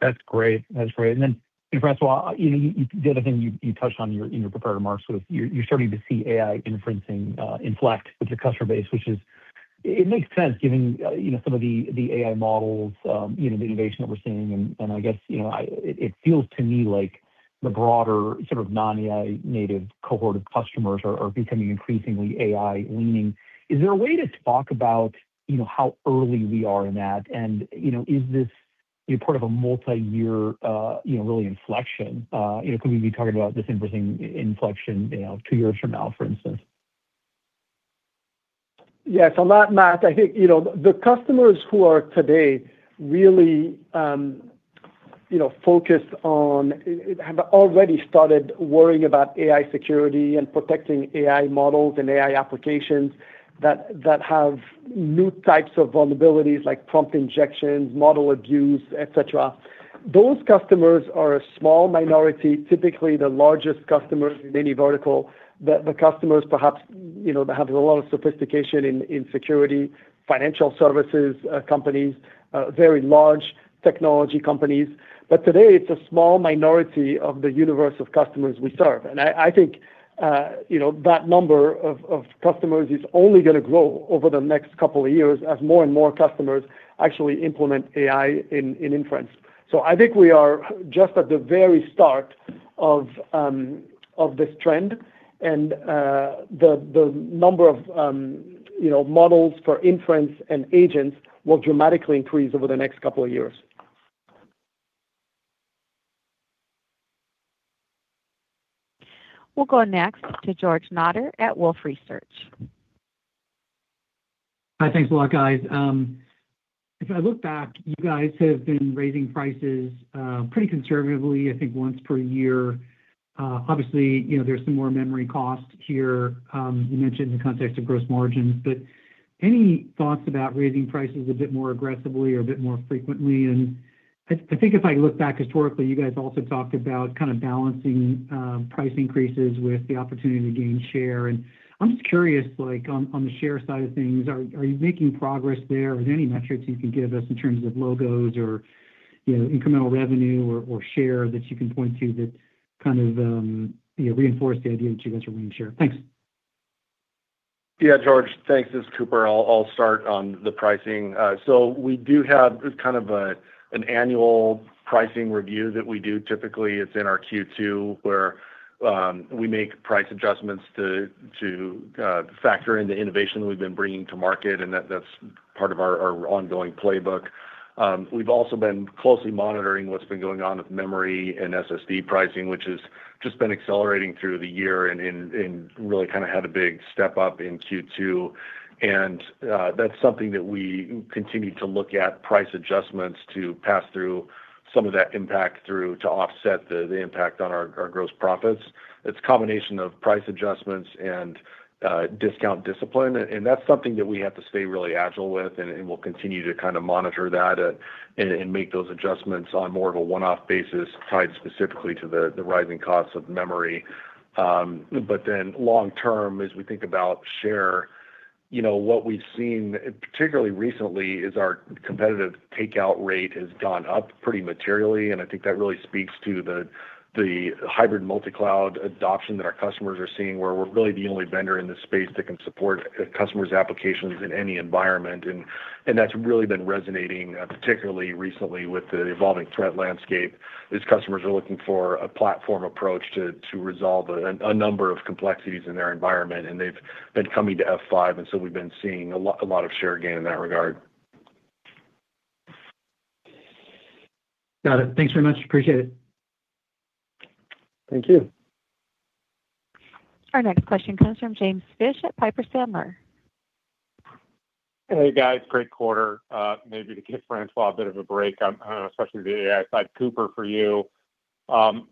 That's great. That's great. Then François, you know, The other thing you touched on in your prepared remarks was you're starting to see AI inferencing inflect with the customer base, which it makes sense given, you know, some of the AI models, you know, the innovation that we're seeing. I guess, you know, it feels to me like the broader sort of non-AI native cohort of customers are becoming increasingly AI leaning. Is there a way to talk about, you know, how early we are in that? You know, is this, you know, part of a multi-year, really inflection? You know, could we be talking about this inferencing inflection, you know, two years from now, for instance? Yeah. On that, Matt, I think, you know, the customers who are today really, you know, focused on it, have already started worrying about AI security and protecting AI models and AI applications that have new types of vulnerabilities like prompt injections, model abuse, et cetera. Those customers are a small minority, typically the largest customers in any vertical. The customers perhaps, you know, that have a lot of sophistication in security, financial services companies, very large technology companies. Today, it's a small minority of the universe of customers we serve. I think, you know, that number of customers is only gonna grow over the next couple of years as more and more customers actually implement AI in inference. I think we are just at the very start of this trend. The number of, you know, models for inference and agents will dramatically increase over the next couple of years. We'll go next to George Notter at Wolfe Research. Hi. Thanks a lot, guys. If I look back, you guys have been raising prices pretty conservatively, I think once per year. Obviously, you know, there's some more memory costs here, you mentioned in the context of gross margins. Any thoughts about raising prices a bit more aggressively or a bit more frequently? I think if I look back historically, you guys also talked about kind of balancing price increases with the opportunity to gain share. I'm just curious, like, on the share side of things, are you making progress there? Are there any metrics you can give us in terms of logos or, you know, incremental revenue or share that you can point to that kind of, you know, reinforce the idea that you guys are winning share? Thanks. Yeah, George. Thanks. This is Cooper. I'll start on the pricing. So we do have kind of an annual pricing review that we do. Typically, it's in our Q2 where we make price adjustments to factor in the innovation that we've been bringing to market, and that's part of our ongoing playbook. We've also been closely monitoring what's been going on with memory and SSD pricing, which has just been accelerating through the year and really kind of had a big step up in Q2. That's something that we continue to look at price adjustments to pass through some of that impact through to offset the impact on our gross profits. It's a combination of price adjustments and discount discipline, and that's something that we have to stay really agile with, and we'll continue to kind of monitor that, and make those adjustments on more of a one-off basis tied specifically to the rising costs of memory. Long term, as we think about share, you know, what we've seen, particularly recently, is our competitive takeout rate has gone up pretty materially. I think that really speaks to the hybrid multi-cloud adoption that our customers are seeing, where we're really the only vendor in this space that can support a customer's applications in any environment. That's really been resonating, particularly recently with the evolving threat landscape, as customers are looking for a platform approach to resolve a number of complexities in their environment. They've been coming to F5, and so we've been seeing a lot of share gain in that regard. Got it. Thanks very much. Appreciate it. Thank you. Our next question comes from James Fish at Piper Sandler. Hey, guys. Great quarter. Maybe to give François a bit of a break, especially the AI side, Cooper, for you, I'm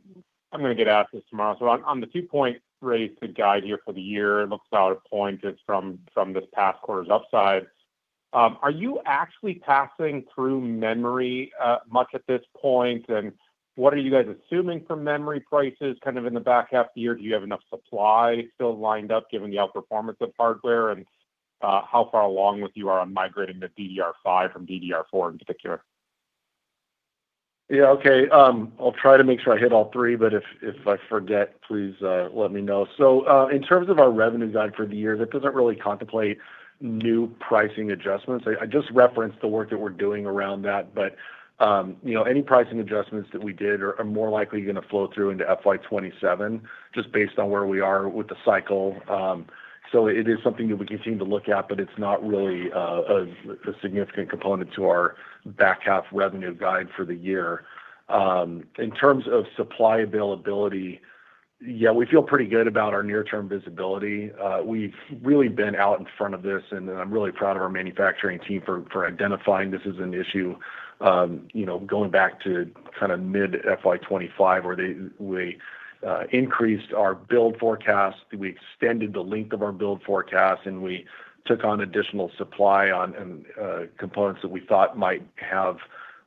gonna get at this tomorrow. On the two-point raise to guide year for the year, it looks about one point just from this past quarter's upside. Are you actually passing through memory much at this point? What are you guys assuming from memory prices kind of in the back half of the year? Do you have enough supply still lined up given the outperformance of hardware? How far along with you are on migrating to DDR5 from DDR4 in particular? Yeah, okay. I'll try to make sure I hit all three, but if I forget, please let me know. In terms of our revenue guide for the year, that doesn't really contemplate new pricing adjustments. I just referenced the work that we're doing around that. You know, any pricing adjustments that we did are more likely gonna flow through into FY 2027 just based on where we are with the cycle. It is something that we continue to look at, but it's not really a significant component to our back half revenue guide for the year. In terms of supply availability, yeah, we feel pretty good about our near-term visibility. We've really been out in front of this, and I'm really proud of our manufacturing team for identifying this as an issue, you know, going back to kinda mid FY 2025, where we increased our build forecast, we extended the length of our build forecast, and we took on additional supply and components that we thought might have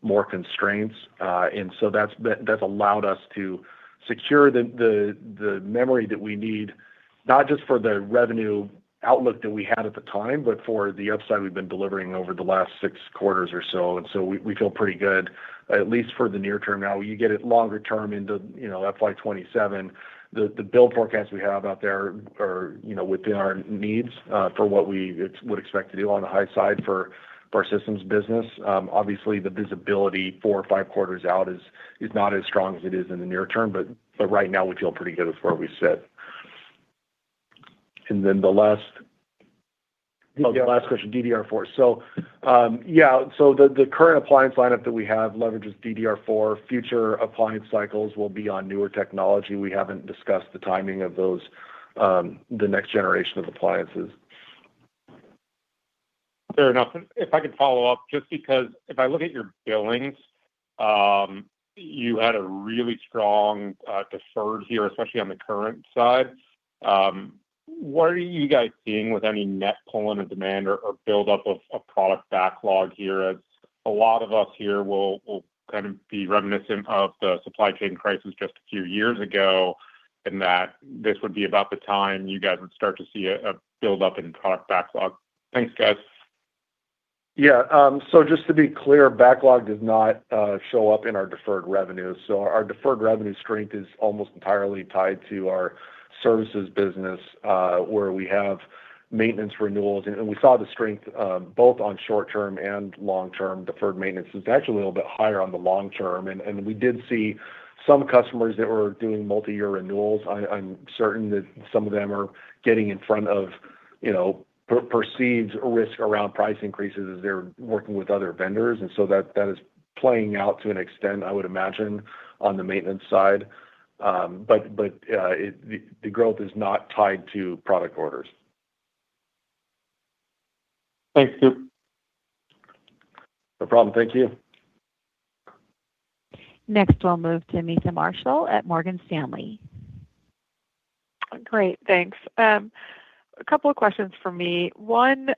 more constraints. That's allowed us to secure the memory that we need, not just for the revenue outlook that we had at the time, but for the upside we've been delivering over the last six quarters or so. We feel pretty good, at least for the near term. Now, you get it longer term into FY 2027, the build forecast we have out there are within our needs for what we would expect to do on the high side for our systems business. Obviously, the visibility four or five quarters out is not as strong as it is in the near term, but right now we feel pretty good with where we sit. And then the last. The last question, DDR4. The current appliance lineup that we have leverages DDR4. Future appliance cycles will be on newer technology. We haven't discussed the timing of those, the next generation of appliances. Fair enough. If I could follow up just because if I look at your billings, you had a really strong deferred here, especially on the current side. What are you guys seeing with any net pull in or demand or build-up of product backlog here? As a lot of us here will kind of be reminiscent of the supply chain crisis just a few years ago, in that this would be about the time you guys would start to see a build-up in product backlog. Thanks, guys. Just to be clear, backlog does not show up in our deferred revenues. Our deferred revenue strength is almost entirely tied to our services business, where we have maintenance renewals. We saw the strength both on short-term and long-term. Deferred maintenance is actually a little bit higher on the long term. We did see some customers that were doing multi-year renewals. I'm certain that some of them are getting in front of, you know, perceived risk around price increases as they're working with other vendors. That is playing out to an extent, I would imagine, on the maintenance side. But the growth is not tied to product orders. Thank you. No problem. Thank you. Next, we'll move to Meta Marshall at Morgan Stanley. Great. Thanks. A couple of questions from me. One,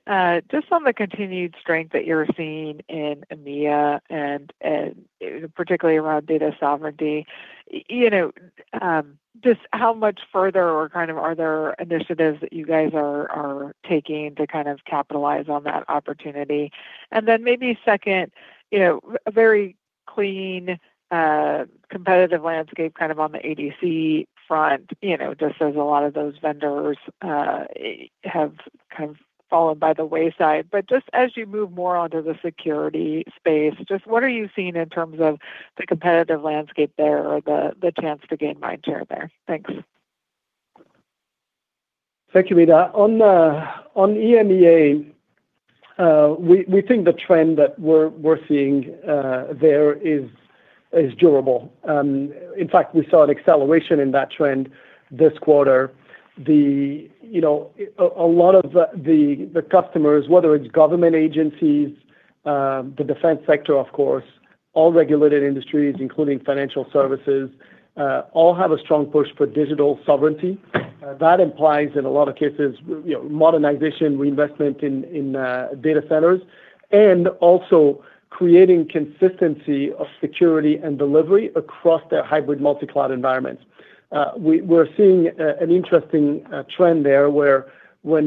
just on the continued strength that you're seeing in EMEA and particularly around data sovereignty. You know, just how much further or kind of are there initiatives that you guys are taking to kind of capitalize on that opportunity? Then maybe second, you know, a very clean competitive landscape kind of on the ADC front, just as a lot of those vendors have kind of fallen by the wayside. Just as you move more onto the security space, just what are you seeing in terms of the competitive landscape there or the chance to gain mind share there? Thanks. Thank you, Meta. On EMEA, we think the trend that we're seeing there is durable. In fact, we saw an acceleration in that trend this quarter. You know, a lot of the customers, whether it's government agencies, the defense sector, of course, all regulated industries, including financial services, all have a strong push for digital sovereignty. That implies, in a lot of cases, you know, modernization, reinvestment in data centers, and also creating consistency of security and delivery across their hybrid multi-cloud environments. We're seeing an interesting trend there, where when,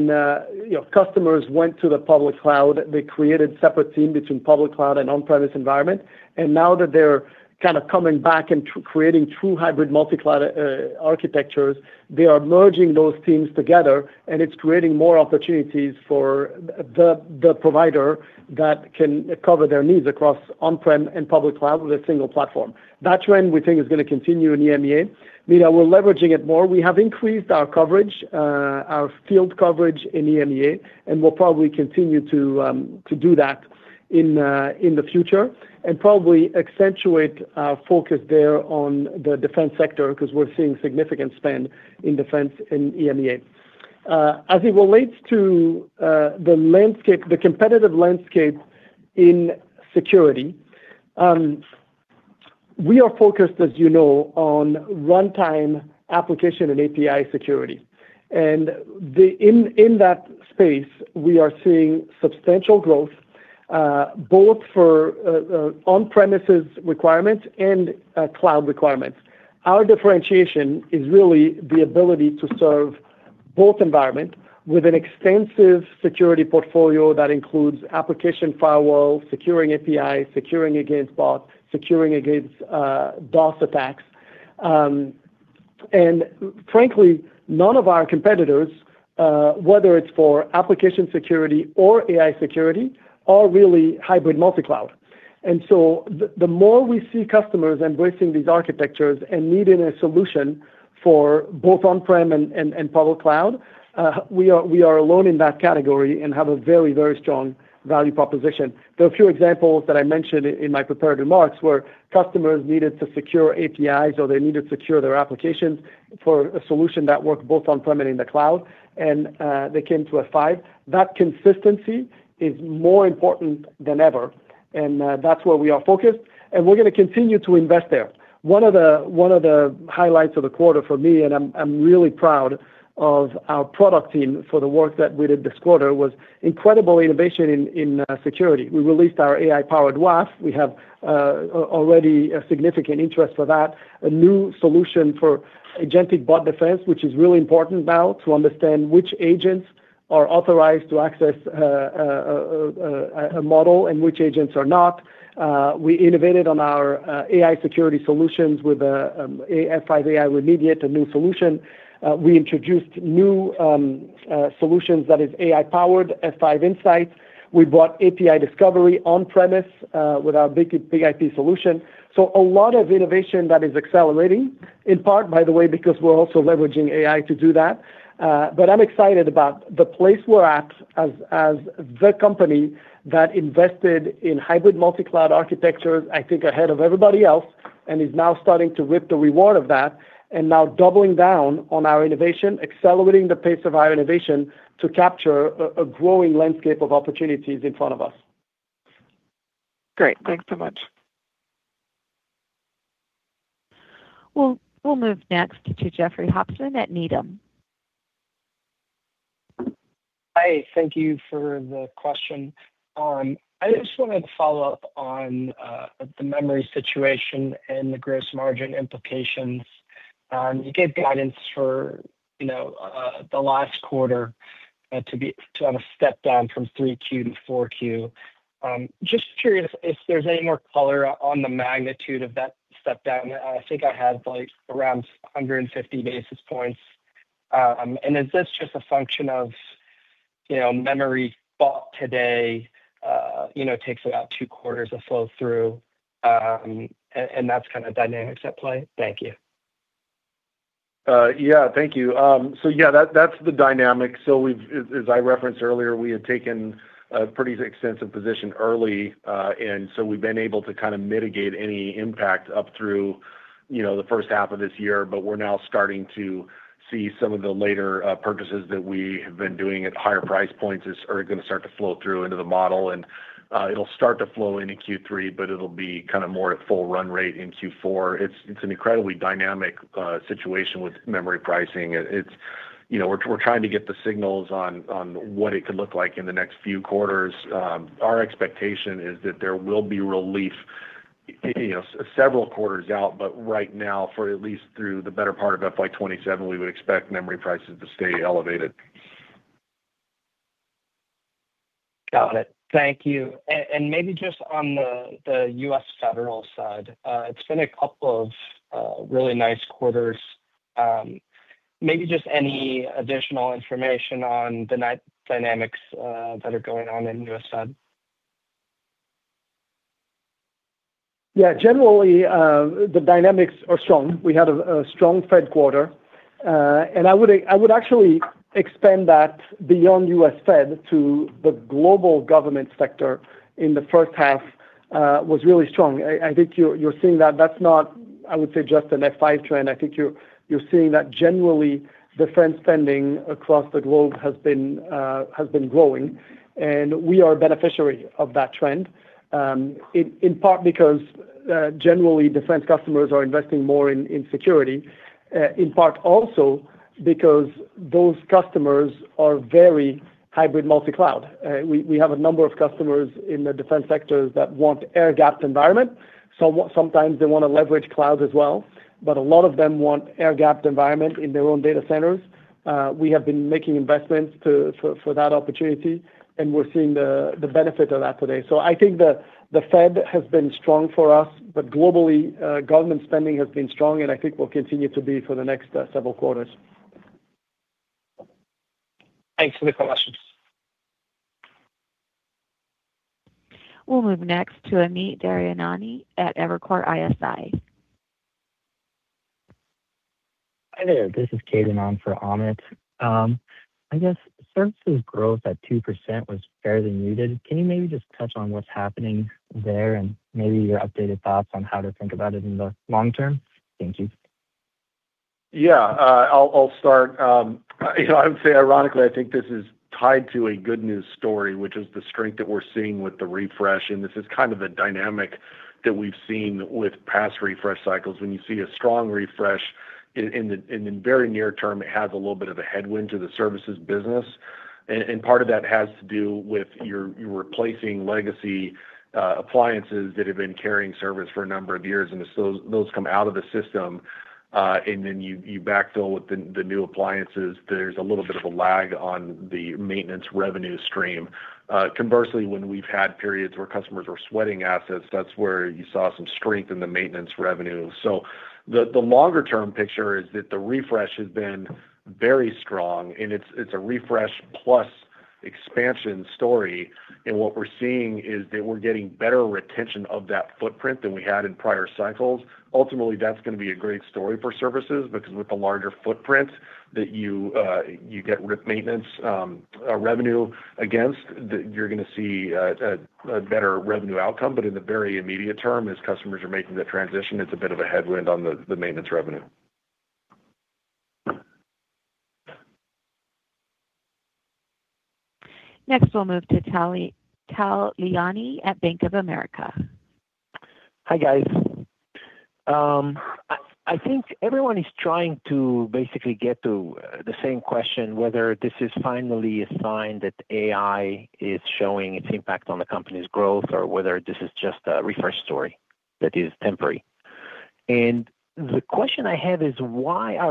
you know, customers went to the public cloud, they created separate team between public cloud and on-premise environment. Now that they're kind of coming back and creating true hybrid multi-cloud architectures, they are merging those teams together, and it's creating more opportunities for the provider that can cover their needs across on-prem and public cloud with a single platform. That trend, we think, is gonna continue in EMEA. Meta, we're leveraging it more. We have increased our coverage, our field coverage in EMEA, and we'll probably continue to do that in the future and probably accentuate our focus there on the defense sector 'cause we're seeing significant spend in defense in EMEA. As it relates to the landscape, the competitive landscape in security, we are focused, as you know, on runtime application and API security. In that space, we are seeing substantial growth, both for on-premises requirements and cloud requirements. Our differentiation is really the ability to serve both environment with an extensive security portfolio that includes application firewall, securing API, securing against bot, securing against DoS attacks. Frankly, none of our competitors, whether it's for application security or AI security, are really hybrid multi-cloud. The more we see customers embracing these architectures and needing a solution for both on-prem and public cloud, we are alone in that category and have a very, very strong value proposition. There are a few examples that I mentioned in my prepared remarks, where customers needed to secure APIs or they needed to secure their applications for a solution that worked both on-prem and in the cloud, and they came to F5. That consistency is more important than ever, that's where we are focused, and we're gonna continue to invest there. One of the highlights of the quarter for me, and I'm really proud of our product team for the work that we did this quarter, was incredible innovation in security. We released our AI-powered WAF. We have already a significant interest for that. A new solution for Agentic Bot Defense, which is really important now to understand which agents are authorized to access a model and which agents are not. We innovated on our AI security solutions with F5 AI Remediate, a new solution. We introduced new solutions that is AI-powered, F5 Insight. We brought API discovery on-premise with our BIG-IP solution. A lot of innovation that is accelerating, in part, by the way, because we're also leveraging AI to do that. I'm excited about the place we're at as the company that invested in hybrid multi-cloud architectures, I think ahead of everybody else. Is now starting to reap the reward of that, and now doubling down on our innovation, accelerating the pace of our innovation to capture a growing landscape of opportunities in front of us. Great. Thanks so much. We'll move next to Jeffrey Hopson at Needham. Hi. Thank you for the question. I just wanted to follow up on the memory situation and the gross margin implications. You gave guidance for, you know, the last quarter to have a step down from Q3 to Q4. Just curious if there's any more color on the magnitude of that step down. I think I had like around 150 basis points. Is this just a function of, you know, memory bought today, you know, takes about two quarters of flow through, and that's kind of dynamics at play? Thank you. Yeah. Thank you. Yeah, that's the dynamic. As I referenced earlier, we had taken a pretty extensive position early, and so we've been able to kind of mitigate any impact up through, you know, the H1 of this year. We're now starting to see some of the later purchases that we have been doing at higher price points are gonna start to flow through into the model. It'll start to flow into Q3, but it'll be kind of more at full run rate in Q4. It's an incredibly dynamic situation with memory pricing. It's, you know, we're trying to get the signals on what it could look like in the next few quarters. Our expectation is that there will be relief, you know, several quarters out. Right now, for at least through the better part of FY 2027, we would expect memory prices to stay elevated. Got it. Thank you. Maybe just on the US Federal side, it's been a couple of really nice quarters. Maybe just any additional information on the dynamics that are going on in US Fed. Generally, the dynamics are strong. We had a strong US Federal quarter. I would actually expand that beyond US Federal to the global government sector in the H1 was really strong. I think you are seeing that that's not, I would say, just an F5 trend. I think you are seeing that generally defense spending across the globe has been growing, and we are a beneficiary of that trend. In part because generally defense customers are investing more in security. In part also because those customers are very hybrid multi-cloud. We have a number of customers in the defense sectors that want air-gapped environment. Sometimes they want to leverage cloud as well, but a lot of them want air-gapped environment in their own data centers. We have been making investments for that opportunity, and we're seeing the benefit of that today. I think the Fed has been strong for us. Globally, government spending has been strong, and I think will continue to be for the next several quarters. Thanks for the colors. We'll move next to Amit Daryanani at Evercore ISI. Hi there. This is Caden on for Amit. I guess services growth at 2% was fairly muted. Can you maybe just touch on what's happening there, and maybe your updated thoughts on how to think about it in the long term? Thank you. Yeah. I'll start. You know, I would say ironically, I think this is tied to a good news story, which is the strength that we're seeing with the refresh. This is kind of a dynamic that we've seen with past refresh cycles. When you see a strong refresh in the very near term, it has a little bit of a headwind to the services business. Part of that has to do with you're replacing legacy appliances that have been carrying service for a number of years. As those come out of the system, then you backfill with the new appliances, there's a little bit of a lag on the maintenance revenue stream. Conversely, when we've had periods where customers were sweating assets, that's where you saw some strength in the maintenance revenue. The longer term picture is that the refresh has been very strong, and it's a refresh plus expansion story. What we're seeing is that we're getting better retention of that footprint than we had in prior cycles. Ultimately, that's gonna be a great story for services, because with the larger footprint that you get with maintenance revenue against, you're gonna see a better revenue outcome. In the very immediate term, as customers are making that transition, it's a bit of a headwind on the maintenance revenue. Next, we'll move to Tal Liani at Bank of America. Hi, guys. I think everyone is trying to basically get to the same question, whether this is finally a sign that AI is showing its impact on the company's growth or whether this is just a refresh story that is temporary. The question I have is: I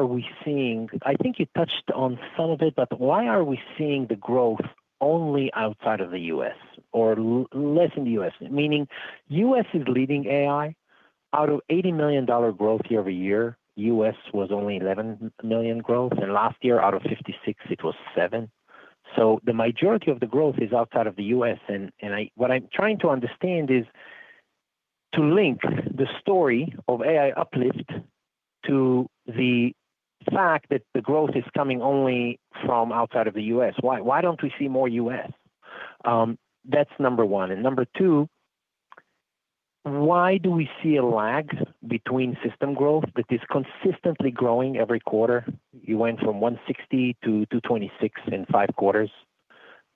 think you touched on some of it, but why are we seeing the growth only outside of the US or less in the US? Meaning US is leading AI. Out of $80 million growth year-over-year, US was only $11 million growth. Last year, out of $56 million, it was $7 million. The majority of the growth is outside of the US. What I'm trying to understand is to link the story of AI uplift to the fact that the growth is coming only from outside of the US. Why don't we see more U.S.? That's number one. Number two, why do we see a lag between system growth that is consistently growing every quarter? You went from 160 to 226 in five quarters,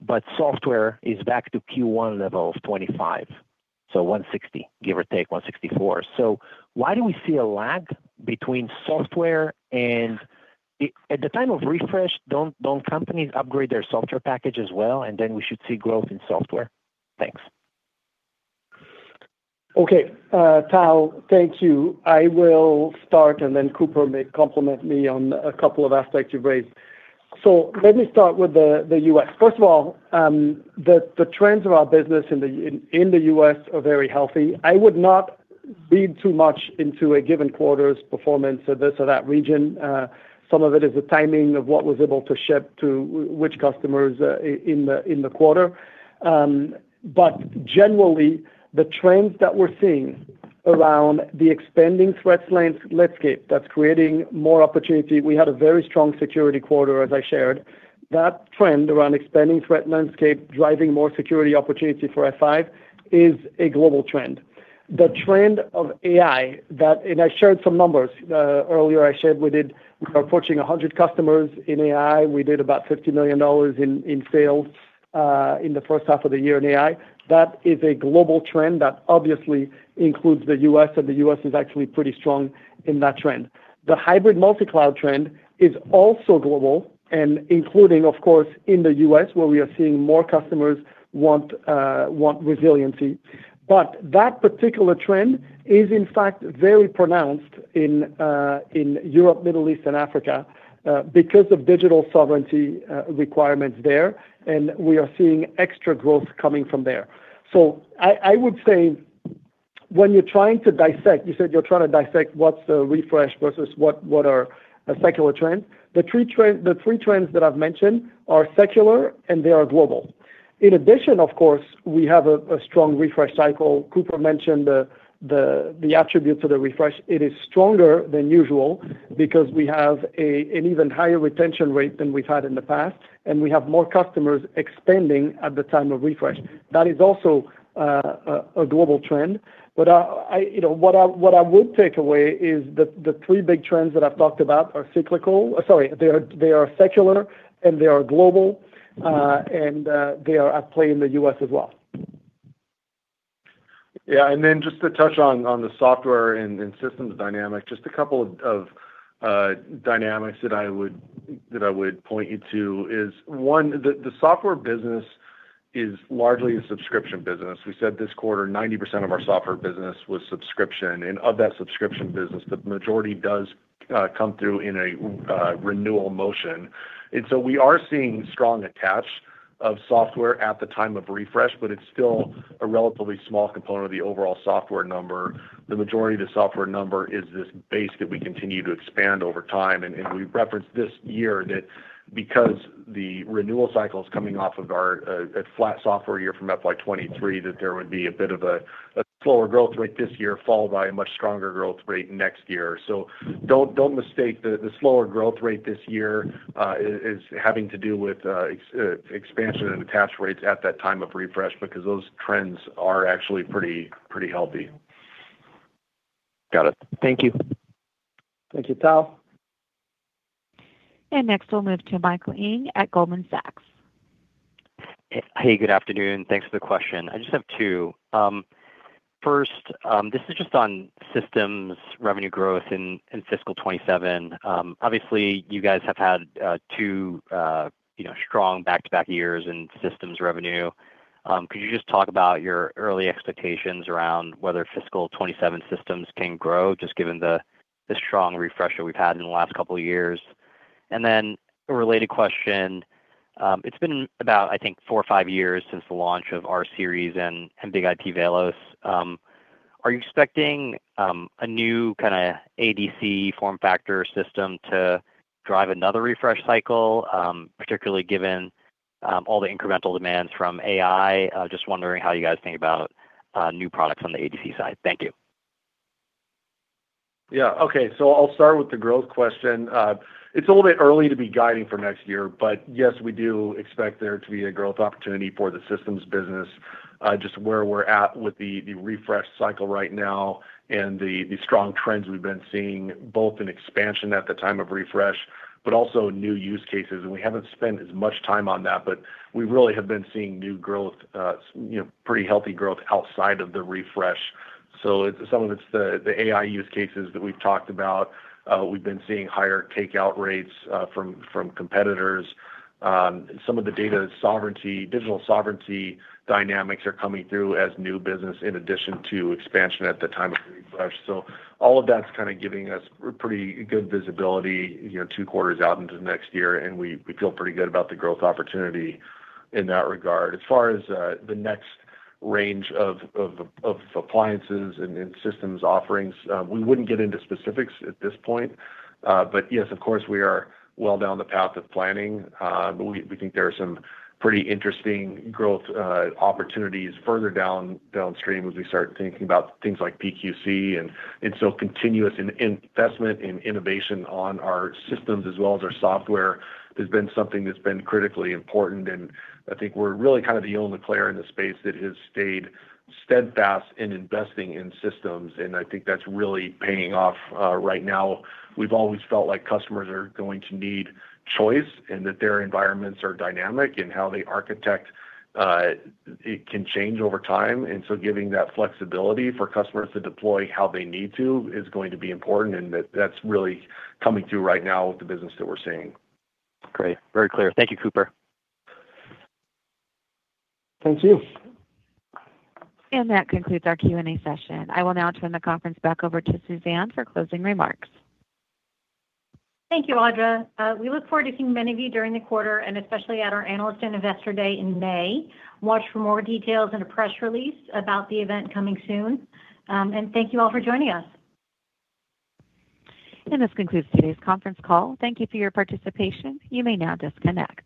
but software is back to Q1 level of 25, so 160, give or take 164. Why do we see a lag between software? At the time of refresh, don't companies upgrade their software package as well, we should see growth in software? Thanks. Okay. Tal, thank you. I will start, and then Cooper may complement me on a couple of aspects you've raised. Let me start with the U.S. First of all, the trends of our business in the U.S. are very healthy. I would not read too much into a given quarter's performance of this or that region. Some of it is the timing of what was able to ship to which customers in the quarter. Generally, the trends that we're seeing around the expanding threat landscape that's creating more opportunity, we had a very strong security quarter, as I shared. That trend around expanding threat landscape driving more security opportunity for F5 is a global trend. The trend of AI I shared some numbers. Earlier I shared we did, we are approaching 100 customers in AI. We did about $50 million in sales in the H1 of the year in AI. That is a global trend that obviously includes the U.S., and the U.S. is actually pretty strong in that trend. The hybrid multi-cloud trend is also global and including, of course, in the U.S., where we are seeing more customers want resiliency. But that particular trend is, in fact, very pronounced in Europe, Middle East, and Africa because of digital sovereignty requirements there, and we are seeing extra growth coming from there. I would say when you're trying to dissect, you said you're trying to dissect what's a refresh versus what are a secular trend. The three trends that I've mentioned are secular, and they are global. In addition, of course, we have a strong refresh cycle. Cooper mentioned the attributes of the refresh. It is stronger than usual because we have an even higher retention rate than we've had in the past, and we have more customers expanding at the time of refresh. That is also a global trend. I, you know what I would take away is the three big trends that I've talked about are cyclical. Sorry, they are secular, and they are global, and they are at play in the U.S. as well. Yeah. Just to touch on the software and systems dynamic, just a couple of dynamics that I would point you to is, one, the software business is largely a subscription business. We said this quarter, 90% of our software business was subscription, and of that subscription business, the majority does come through in a renewal motion. So we are seeing strong attach of software at the time of refresh, but it's still a relatively small component of the overall software number. The majority of the software number is this base that we continue to expand over time, and we referenced this year that because the renewal cycle is coming off of our a flat software year from FY 2023, that there would be a bit of a slower growth rate this year, followed by a much stronger growth rate next year. Don't mistake the slower growth rate this year is having to do with expansion and attach rates at that time of refresh because those trends are actually pretty healthy. Got it. Thank you. Thank you, Tal. Next we'll move to Michael Ng at Goldman Sachs. Good afternoon. Thanks for the question. I just have two. First, this is just on systems revenue growth in fiscal 2027. Obviously, you guys have had two, you know, strong back-to-back years in systems revenue. Could you just talk about your early expectations around whether fiscal 2027 systems can grow, just given the strong refresher we've had in the last couple of years? A related question. It's been about, I think, four or five years since the launch of rSeries and BIG-IP VELOS. Are you expecting a new kind of ADC form factor system to drive another refresh cycle, particularly given all the incremental demands from AI? Just wondering how you guys think about new products on the ADC side. Thank you. Yeah. Okay. I'll start with the growth question. It's a little bit early to be guiding for next year, but yes, we do expect there to be a growth opportunity for the systems business, just where we're at with the refresh cycle right now and the strong trends we've been seeing, both in expansion at the time of refresh, but also new use cases. We haven't spent as much time on that, but we really have been seeing new growth, you know, pretty healthy growth outside of the refresh. Some of it's the AI use cases that we've talked about. We've been seeing higher takeout rates, from competitors. Some of the data sovereignty, digital sovereignty dynamics are coming through as new business in addition to expansion at the time of refresh. All of that's kind of giving us pretty good visibility, you know, two quarters out into next year, and we feel pretty good about the growth opportunity in that regard. As far as the next range of appliances and systems offerings, we wouldn't get into specifics at this point. Yes, of course, we are well down the path of planning. We think there are some pretty interesting growth opportunities further downstream as we start thinking about things like PQC. Continuous investment in innovation on our systems as well as our software has been something that's been critically important, and I think we're really kind of the only player in the space that has stayed steadfast in investing in systems, and I think that's really paying off right now. We've always felt like customers are going to need choice and that their environments are dynamic in how they architect. It can change over time. Giving that flexibility for customers to deploy how they need to is going to be important, and that's really coming through right now with the business that we're seeing. Great. Very clear. Thank you, Cooper. Thank you. That concludes our Q&A session. I will now turn the conference back over to Suzanne for closing remarks. Thank you, Audra. We look forward to seeing many of you during the quarter and especially at our Analyst and Investor Day in May. Watch for more details in a press release about the event coming soon. Thank you all for joining us. This concludes today's conference call. Thank you for your participation. You may now disconnect.